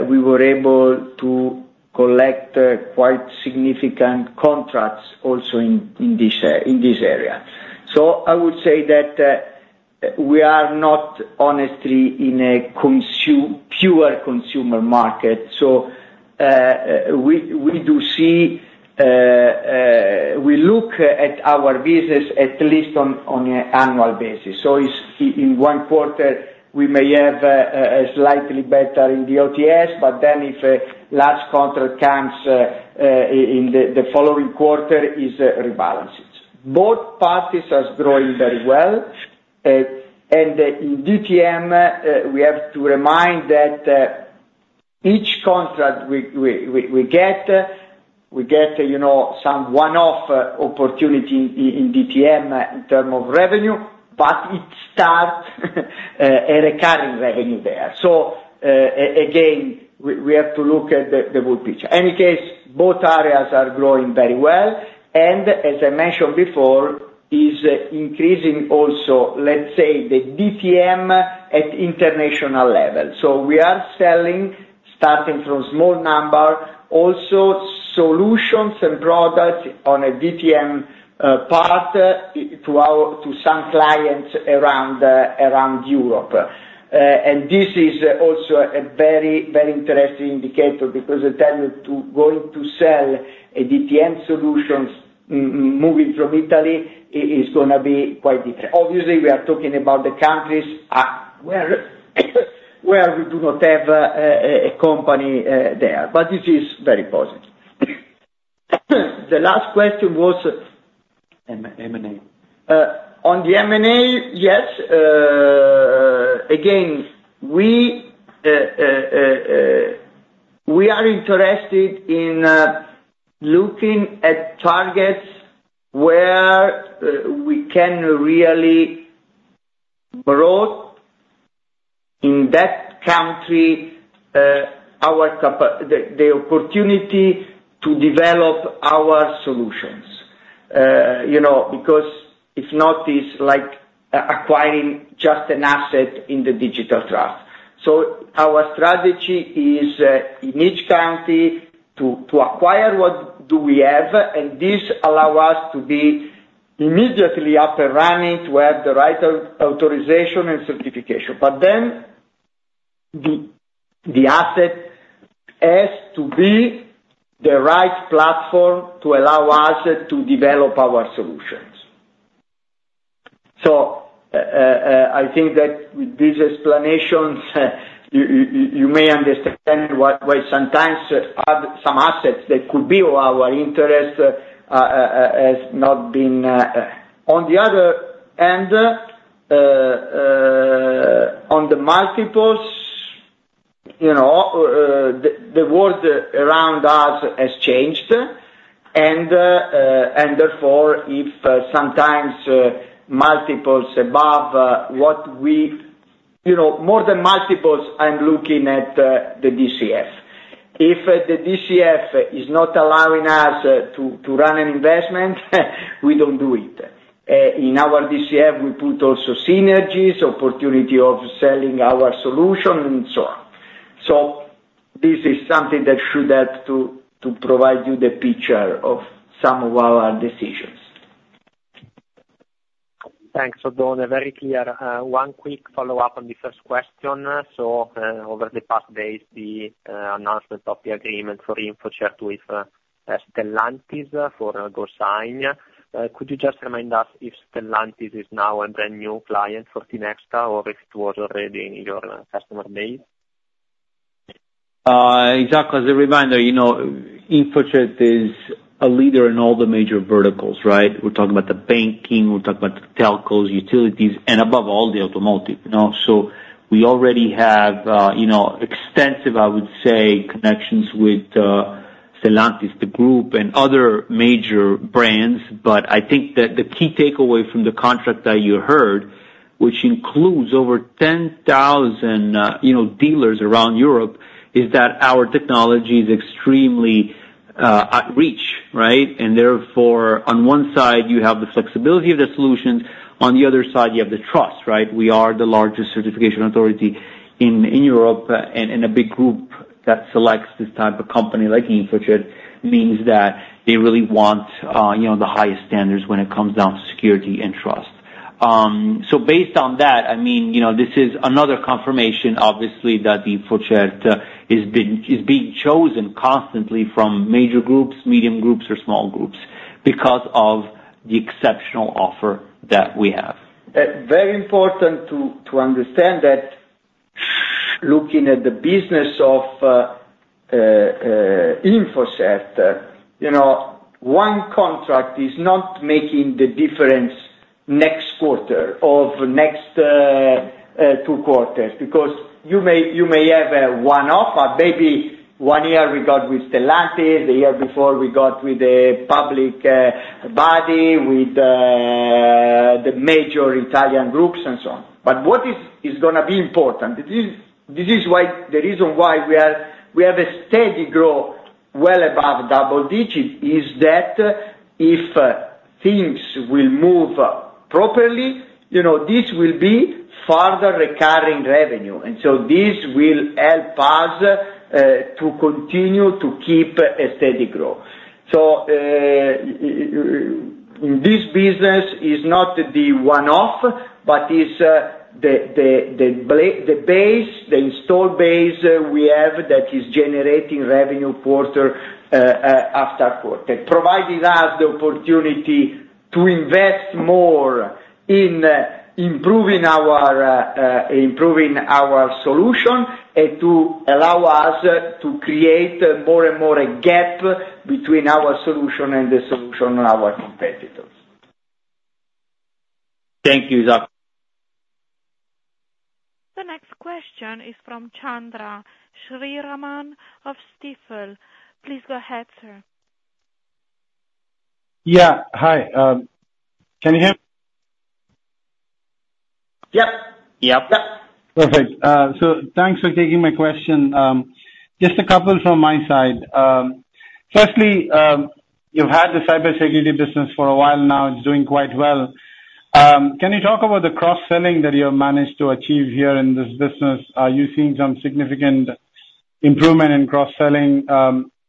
we were able to collect quite significant contracts also in this area. So I would say that we are not honestly in a pure consumer market, so we do see, we look at our business at least on an annual basis. So if in one quarter, we may have a slightly better in the OTS, but then if a large contract comes in the following quarter, it rebalances. Both parties are growing very well, and in DTM, we have to remind that each contract we get, you know, some one-off opportunity in DTM in terms of revenue, but it starts a recurring revenue there. So, again, we have to look at the whole picture. In any case, both areas are growing very well, and as I mentioned before, is increasing also, let's say, the DTM at international level. So we are selling, starting from small number, also solutions and products on a DTM part to some clients around Europe. And this is also a very, very interesting indicator, because I tell you, to going to sell a DTM solutions moving from Italy is gonna be quite different. Obviously, we are talking about the countries where we do not have a company there, but it is very positive. The last question was? M- M&A. On the M&A, yes, again, we are interested in looking at targets where we can really grow in that country, the opportunity to develop our solutions. You know, because if not, it's like acquiring just an asset in the digital trust. So our strategy is in each country to acquire what we have, and this allow us to be immediately up and running, to have the right authorization and certification. But then, the asset has to be the right platform to allow us to develop our solutions. So I think that with these explanations, you may understand why sometimes some assets that could be our interest has not been... On the other hand, on the multiples, you know, the world around us has changed, and therefore, if sometimes multiples above what we-you know, more than multiples, I'm looking at the DCF. If the DCF is not allowing us to run an investment, we don't do it. In our DCF, we put also synergies, opportunity of selling our solution, and so on. So this is something that should help to provide you the picture of some of our decisions. Thanks, Aldo, very clear. One quick follow-up on the first question. So, over the past days, the announcement of the agreement for InfoCert with Stellantis for GoSign, could you just remind us if Stellantis is now a brand-new client for Tinexta, or if it was already in your customer base? Exactly. As a reminder, you know, InfoCert is a leader in all the major verticals, right? We're talking about the banking, we're talking about the telcos, utilities, and above all, the automotive, you know? So we already have, you know, extensive, I would say, connections with, Stellantis, the group, and other major brands. But I think that the key takeaway from the contract that you heard, which includes over 10,000, you know, dealers around Europe, is that our technology is extremely, at reach, right? And therefore, on one side, you have the flexibility of the solutions, on the other side, you have the trust, right? We are the largest certification authority in Europe, and a big group that selects this type of company, like InfoCert, means that they really want, you know, the highest standards when it comes down to security and trust. So based on that, I mean, you know, this is another confirmation, obviously, that InfoCert is being chosen constantly from major groups, medium groups, or small groups, because of the exceptional offer that we have. Very important to understand that looking at the business of InfoCert, you know, one contract is not making the difference next quarter or next two quarters, because you may have a one-off, or maybe one year we got with Stellantis, the year before we got with a public body, with the major Italian groups and so on. But what is gonna be important? This is the reason why we have a steady growth, well above double digit, is that, if things will move properly, you know, this will be further recurring revenue, and so this will help us to continue to keep a steady growth. So, this business is not the one-off, but is the base, the installed base we have that is generating revenue quarter after quarter, providing us the opportunity to invest more in improving our solution and to allow us to create more and more a gap between our solution and the solution of our competitors. Thank you, Giacomo. The next question is from Chandra Sriraman of Stifel. Please go ahead, sir. Yeah. Hi, can you hear me? Yep. Yep. Perfect. So thanks for taking my question. Just a couple from my side. Firstly, you've had the Cybersecurity business for a while now, it's doing quite well. Can you talk about the cross-selling that you have managed to achieve here in this business? Are you seeing some significant improvement in cross-selling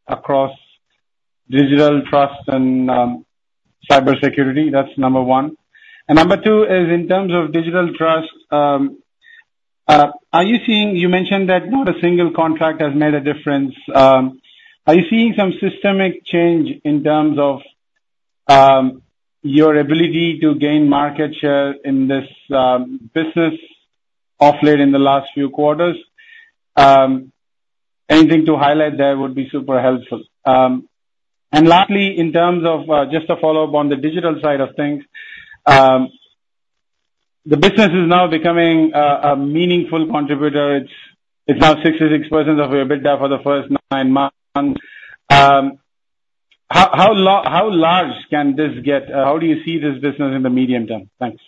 across digital trust and Cybersecurity? That's number one. And number two is in terms of digital trust, are you seeing? You mentioned that not a single contract has made a difference. Are you seeing some systemic change in terms of your ability to gain market share in this business of late in the last few quarters? Anything to highlight there would be super helpful. And lastly, in terms of just a follow-up on the digital side of things, the business is now becoming a meaningful contributor. It's now 66% of your EBITDA for the first nine months. How large can this get? How do you see this business in the medium term? Thanks.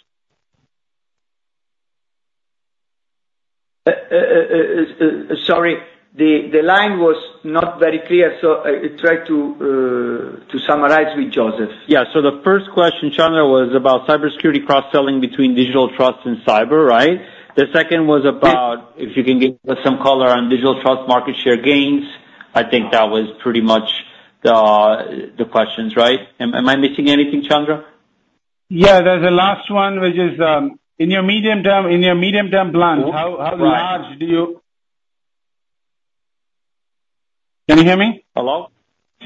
Sorry. The line was not very clear, so try to summarize with Joseph. Yeah. So the first question, Chandra, was about Cybersecurity cross-selling between Digital Trust and Cyber, right? The second was about- Yes. If you can give us some color on Digital Trust market share gains. I think that was pretty much the questions, right? Am I missing anything, Chandra? Yeah, there's a last one, which is, in your medium term, in your medium term plans, how, how large do you... Can you hear me? Hello?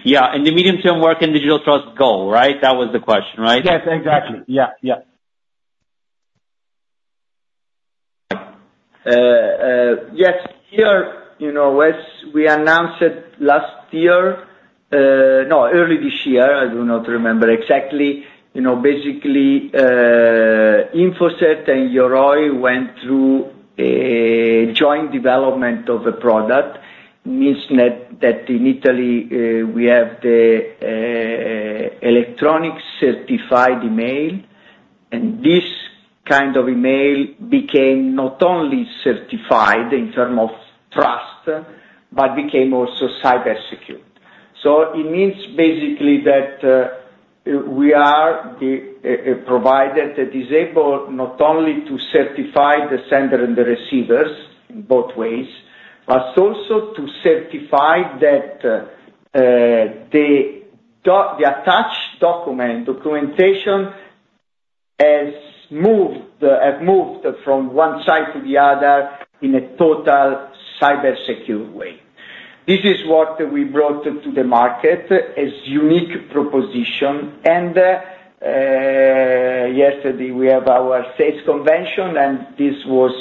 Yeah. In the medium term, where can digital trust go, right? That was the question, right? Yes, exactly. Yeah. Yeah. Yes. Here, you know, as we announced it last year, no, early this year, I do not remember exactly. You know, basically, InfoCert and Yoroi went through a joint development of a product. Means that in Italy we have the electronic certified email, and this kind of email became not only certified in term of trust, but became also cybersecure. So it means basically that we are a provider that is able not only to certify the sender and the receivers in both ways, but also to certify that the attached document, documentation has moved, have moved from one side to the other in a total cybersecure way. This is what we brought to the market as unique proposition, and, yesterday we have our sales convention, and this was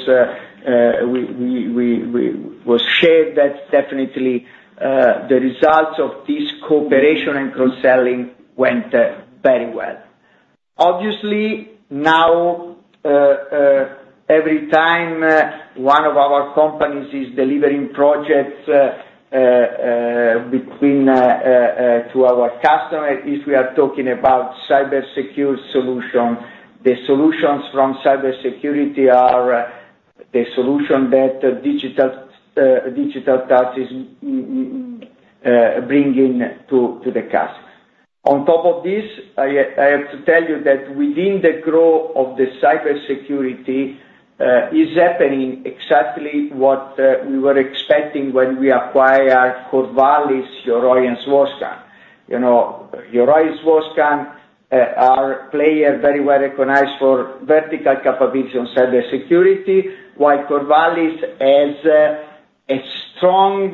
shared that definitely, the results of this cooperation and cross-selling went, very well. Obviously, now, every time one of our companies is delivering projects between to our customer, if we are talking about Cybersecurity solution, the solutions from Cybersecurity are the solution that Digital Trust is bringing to the customer. On top of this, I have to tell you that within the growth of the Cybersecurity is happening exactly what we were expecting when we acquire Corvallis, Yoroi and Swascan. You know, Yoroi and Swascan are players very well recognized for vertical capabilities on Cybersecurity, while Corvallis has a strong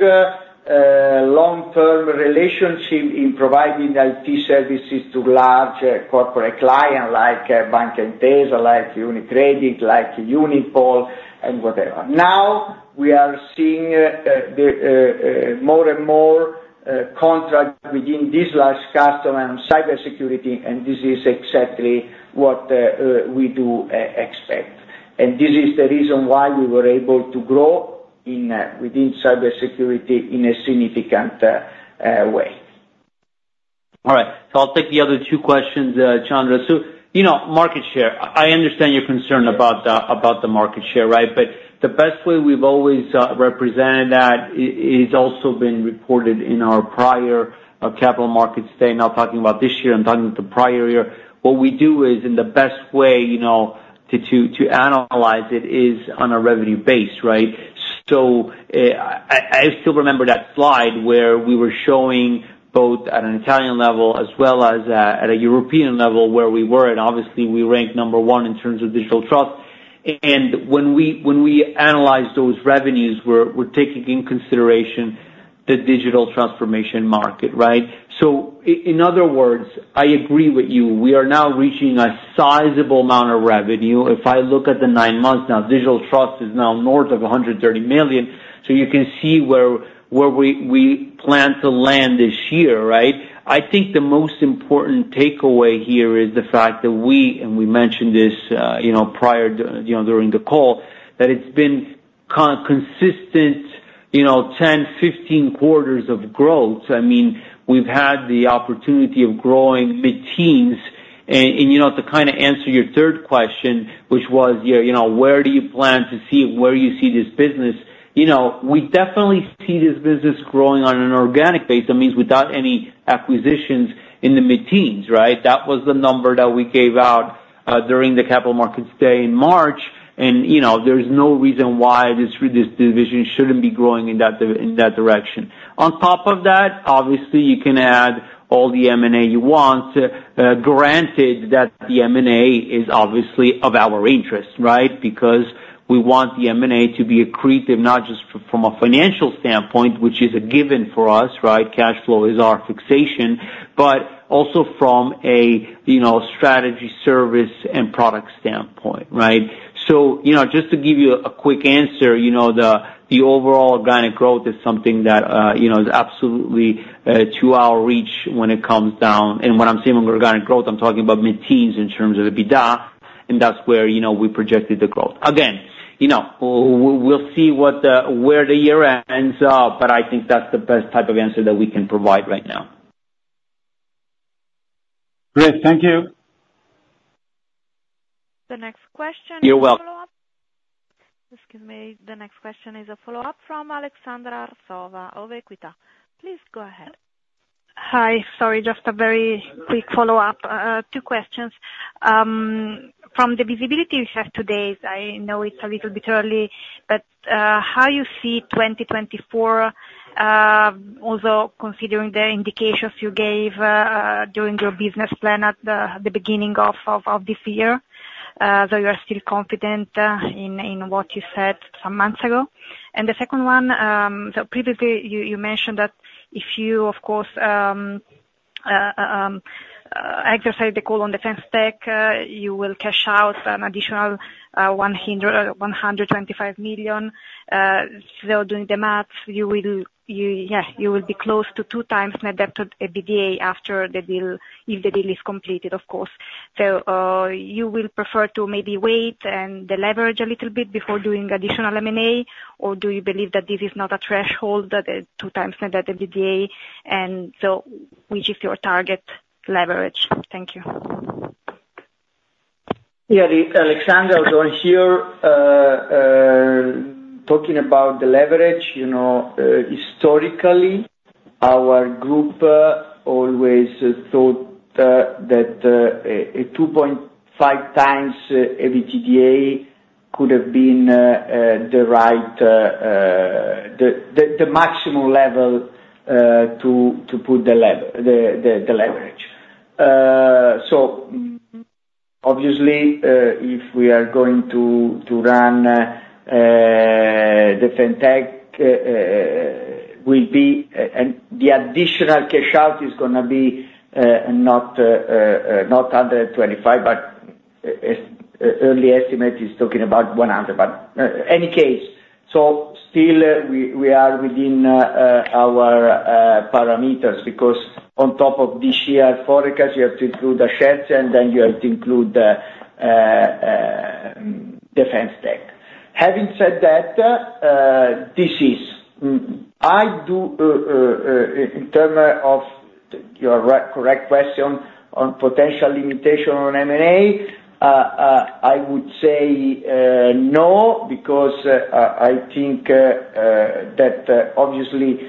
long-term relationship in providing IT services to large corporate clients, like Banca Intesa, like UniCredit, like Unipol, and whatever. Now, we are seeing the more and more contracts within this large customer on Cybersecurity, and this is exactly what we do expect. This is the reason why we were able to grow within Cybersecurity in a significant way. All right, so I'll take the other two questions, Chandra. So, you know, market share, I understand your concern about the market share, right? But the best way we've always represented that is also been reported in our prior Capital Markets Day. Not talking about this year, I'm talking about the prior year. What we do is, and the best way, you know, to analyze it is on a revenue base, right? So, I still remember that slide where we were showing both at an Italian level as well as at a European level, where we were, and obviously we ranked number one in terms of digital trust. And when we, when we analyze those revenues, we're taking in consideration the digital transformation market, right? So in other words, I agree with you. We are now reaching a sizable amount of revenue. If I look at the nine months now, digital trust is now north of 130 million, so you can see where we plan to land this year, right? I think the most important takeaway here is the fact that we, and we mentioned this, you know, prior, you know, during the call, that it's been consistent, you know, 10, 15 quarters of growth. I mean, we've had the opportunity of growing mid-teens. And, and, you know, to kind of answer your third question, which was, yeah, you know, where do you plan to see it, where you see this business? You know, we definitely see this business growing on an organic base. That means without any acquisitions in the mid-teens, right? That was the number that we gave out, during the capital markets day in March, and, you know, there's no reason why this, this division shouldn't be growing in that direction. On top of that, obviously, you can add all the M&A you want, granted that the M&A is obviously of our interest, right? Because we want the M&A to be accretive, not just from a financial standpoint, which is a given for us, right? Cash flow is our fixation, but also from a, you know, strategy, service, and product standpoint, right? So, you know, just to give you a quick answer, you know, the overall organic growth is something that, you know, is absolutely to our reach when it comes down. And when I'm saying organic growth, I'm talking about mid-teens in terms of the EBITDA, and that's where, you know, we projected the growth. Again, you know, we'll see where the year ends up, but I think that's the best type of answer that we can provide right now. Great. Thank you. The next question- You're welcome. Excuse me. The next question is a follow-up from Alexandra Arsova of Equita. Please go ahead. Hi. Sorry, just a very quick follow-up. Two questions. From the visibility we have today, I know it's a little bit early, but, how you see 2024, also considering the indications you gave, during your business plan at the beginning of this year, so you are still confident in what you said some months ago? And the second one, so previously you mentioned that if you, of course, exercise the call on the FinTech, you will cash out an additional 125 million. So doing the maths, you will be close to 2x net debt to EBITDA after the deal, if the deal is completed, of course. You will prefer to maybe wait and deleverage a little bit before doing additional M&A, or do you believe that this is not a threshold, that is 2x net debt to EBITDA, and so which is your target leverage? Thank you. Yeah, Alexandra, so here, talking about the leverage, you know, historically, our group always thought that a 2.5x EBITDA could have been the right, the maximum level to put the leverage. So obviously, if we are going to run the FinTech, will be. And the additional cash out is gonna be not 125, but early estimate is talking about 100. But any case, so still, we are within our parameters, because on top of this year forecast, you have to include the shares, and then you have to include the FinTech. Having said that, this is, I do, in terms of your correct question on potential limitation on M&A, I would say no, because I think that obviously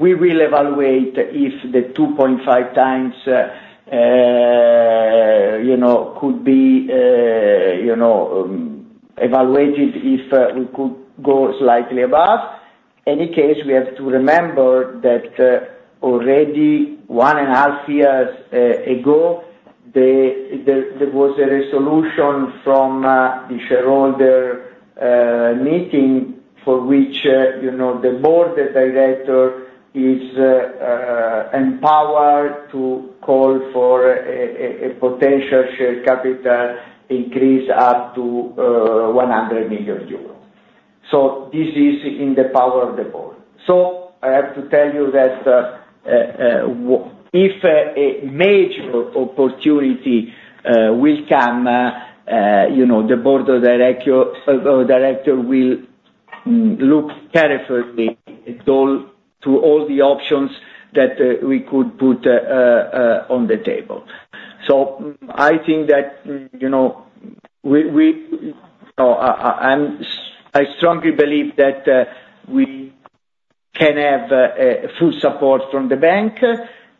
we will evaluate if the 2x-you know could be you know evaluated, if we could go slightly above. Any case, we have to remember that already one and a half years ago, there was a resolution from the shareholder meeting for which you know the board of director is empowered to call for a potential share capital increase up to 100 million euros. So this is in the power of the board. So I have to tell you that if a major opportunity will come, you know, the Board of Directors will look carefully at all the options that we could put on the table. So I think that, you know, we and I strongly believe that we can have a full support from the bank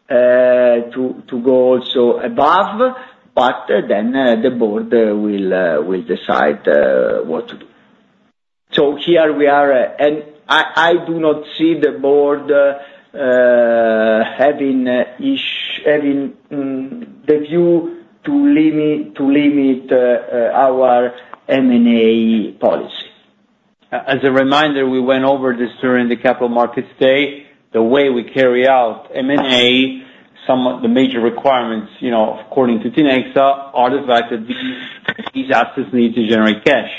to go also above, but then the board will decide what to do. So here we are, and I do not see the board having the view to limit our M&A policy. As a reminder, we went over this during the capital markets day. The way we carry out M&A, some of the major requirements, you know, according to Tinexta, are the fact that these, these assets need to generate cash.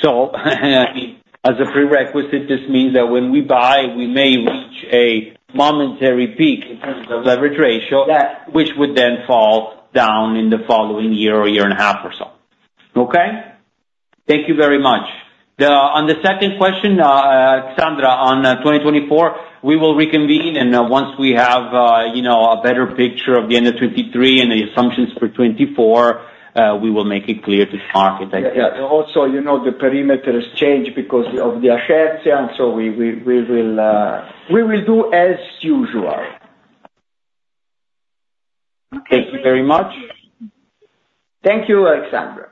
So, as a prerequisite, this means that when we buy, we may reach a momentary peak in terms of leverage ratio- Yeah. - which would then fall down in the following year or year and a half or so. Okay? Thank you very much. The, on the second question, Sandra, on, 2024, we will reconvene, and, once we have, you know, a better picture of the end of '2023 and the assumptions for '2024, we will make it clear to the market. Yeah, yeah. Also, you know, the perimeter has changed because of the inaudible, so we will do as usual. Okay, thank you. Thank you very much. Thank you, Alexandra.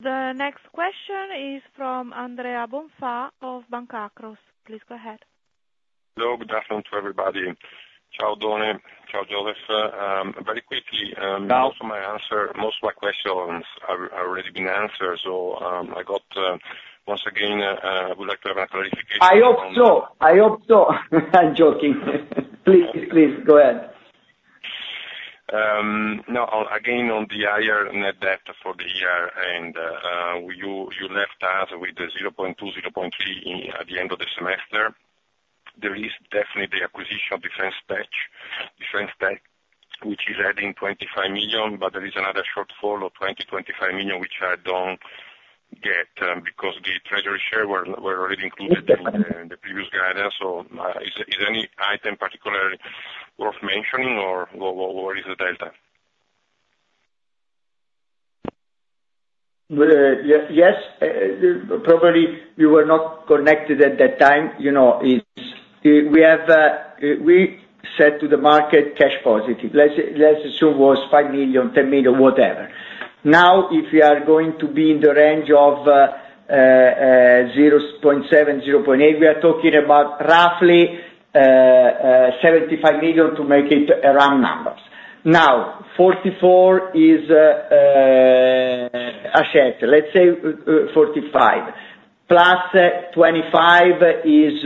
The next question is from Andrea Bonfá of Banca Akros. Please go ahead. Hello, good afternoon to everybody. Ciao, Danilo. Ciao, Josef. Very quickly, Ciao. Most of my answer, most of my questions have already been answered, so, I got once again I would like to have a clarification- I hope so, I hope so. I'm joking. Please, please go ahead. No, again, on the higher net debt for the year and, you left us with the 0.2-0.3 at the end of the semester. There is definitely acquisition of Defence Tech, which is adding 25 million, but there is another shortfall of 25 million, which I don't get, because the treasury share were already included in the previous guidance. So, is there any item particularly worth mentioning or what is the delta? Yes, probably you were not connected at that time. You know, it's, we have, we said to the market, cash positive. Let's, let's assume it was 5 million, 10 million, whatever. Now, if we are going to be in the range of 0.7-0.8, we are talking about roughly 75 million to make it round numbers. Now, 44 is. Let's say 45, plus 25 is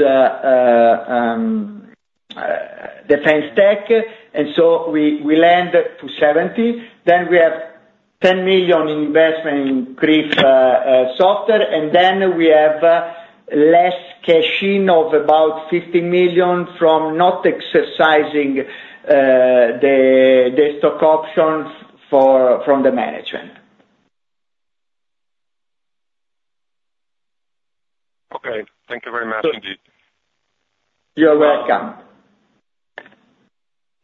defense tech, and so we, we lend to 70. Then we have 10 million investment in brief software, and then we have less cash in of about 50 million from not exercising the stock options from the management. Okay. Thank you very much indeed. You're welcome.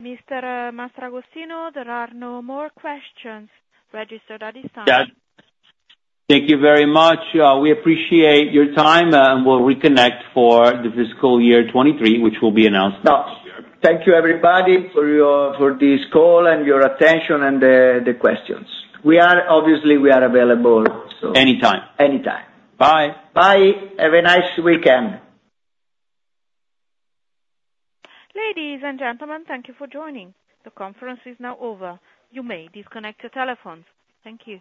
Mr. Mastragostino, there are no more questions registered at this time. Yeah. Thank you very much. We appreciate your time, and we'll reconnect for the fiscal year 2023, which will be announced next year. Thank you, everybody, for your, for this call and your attention and the questions. We are obviously, we are available- Anytime. Anytime. Bye. Bye. Have a nice weekend. Ladies and gentlemen, thank you for joining. The conference is now over. You may disconnect your telephones. Thank you.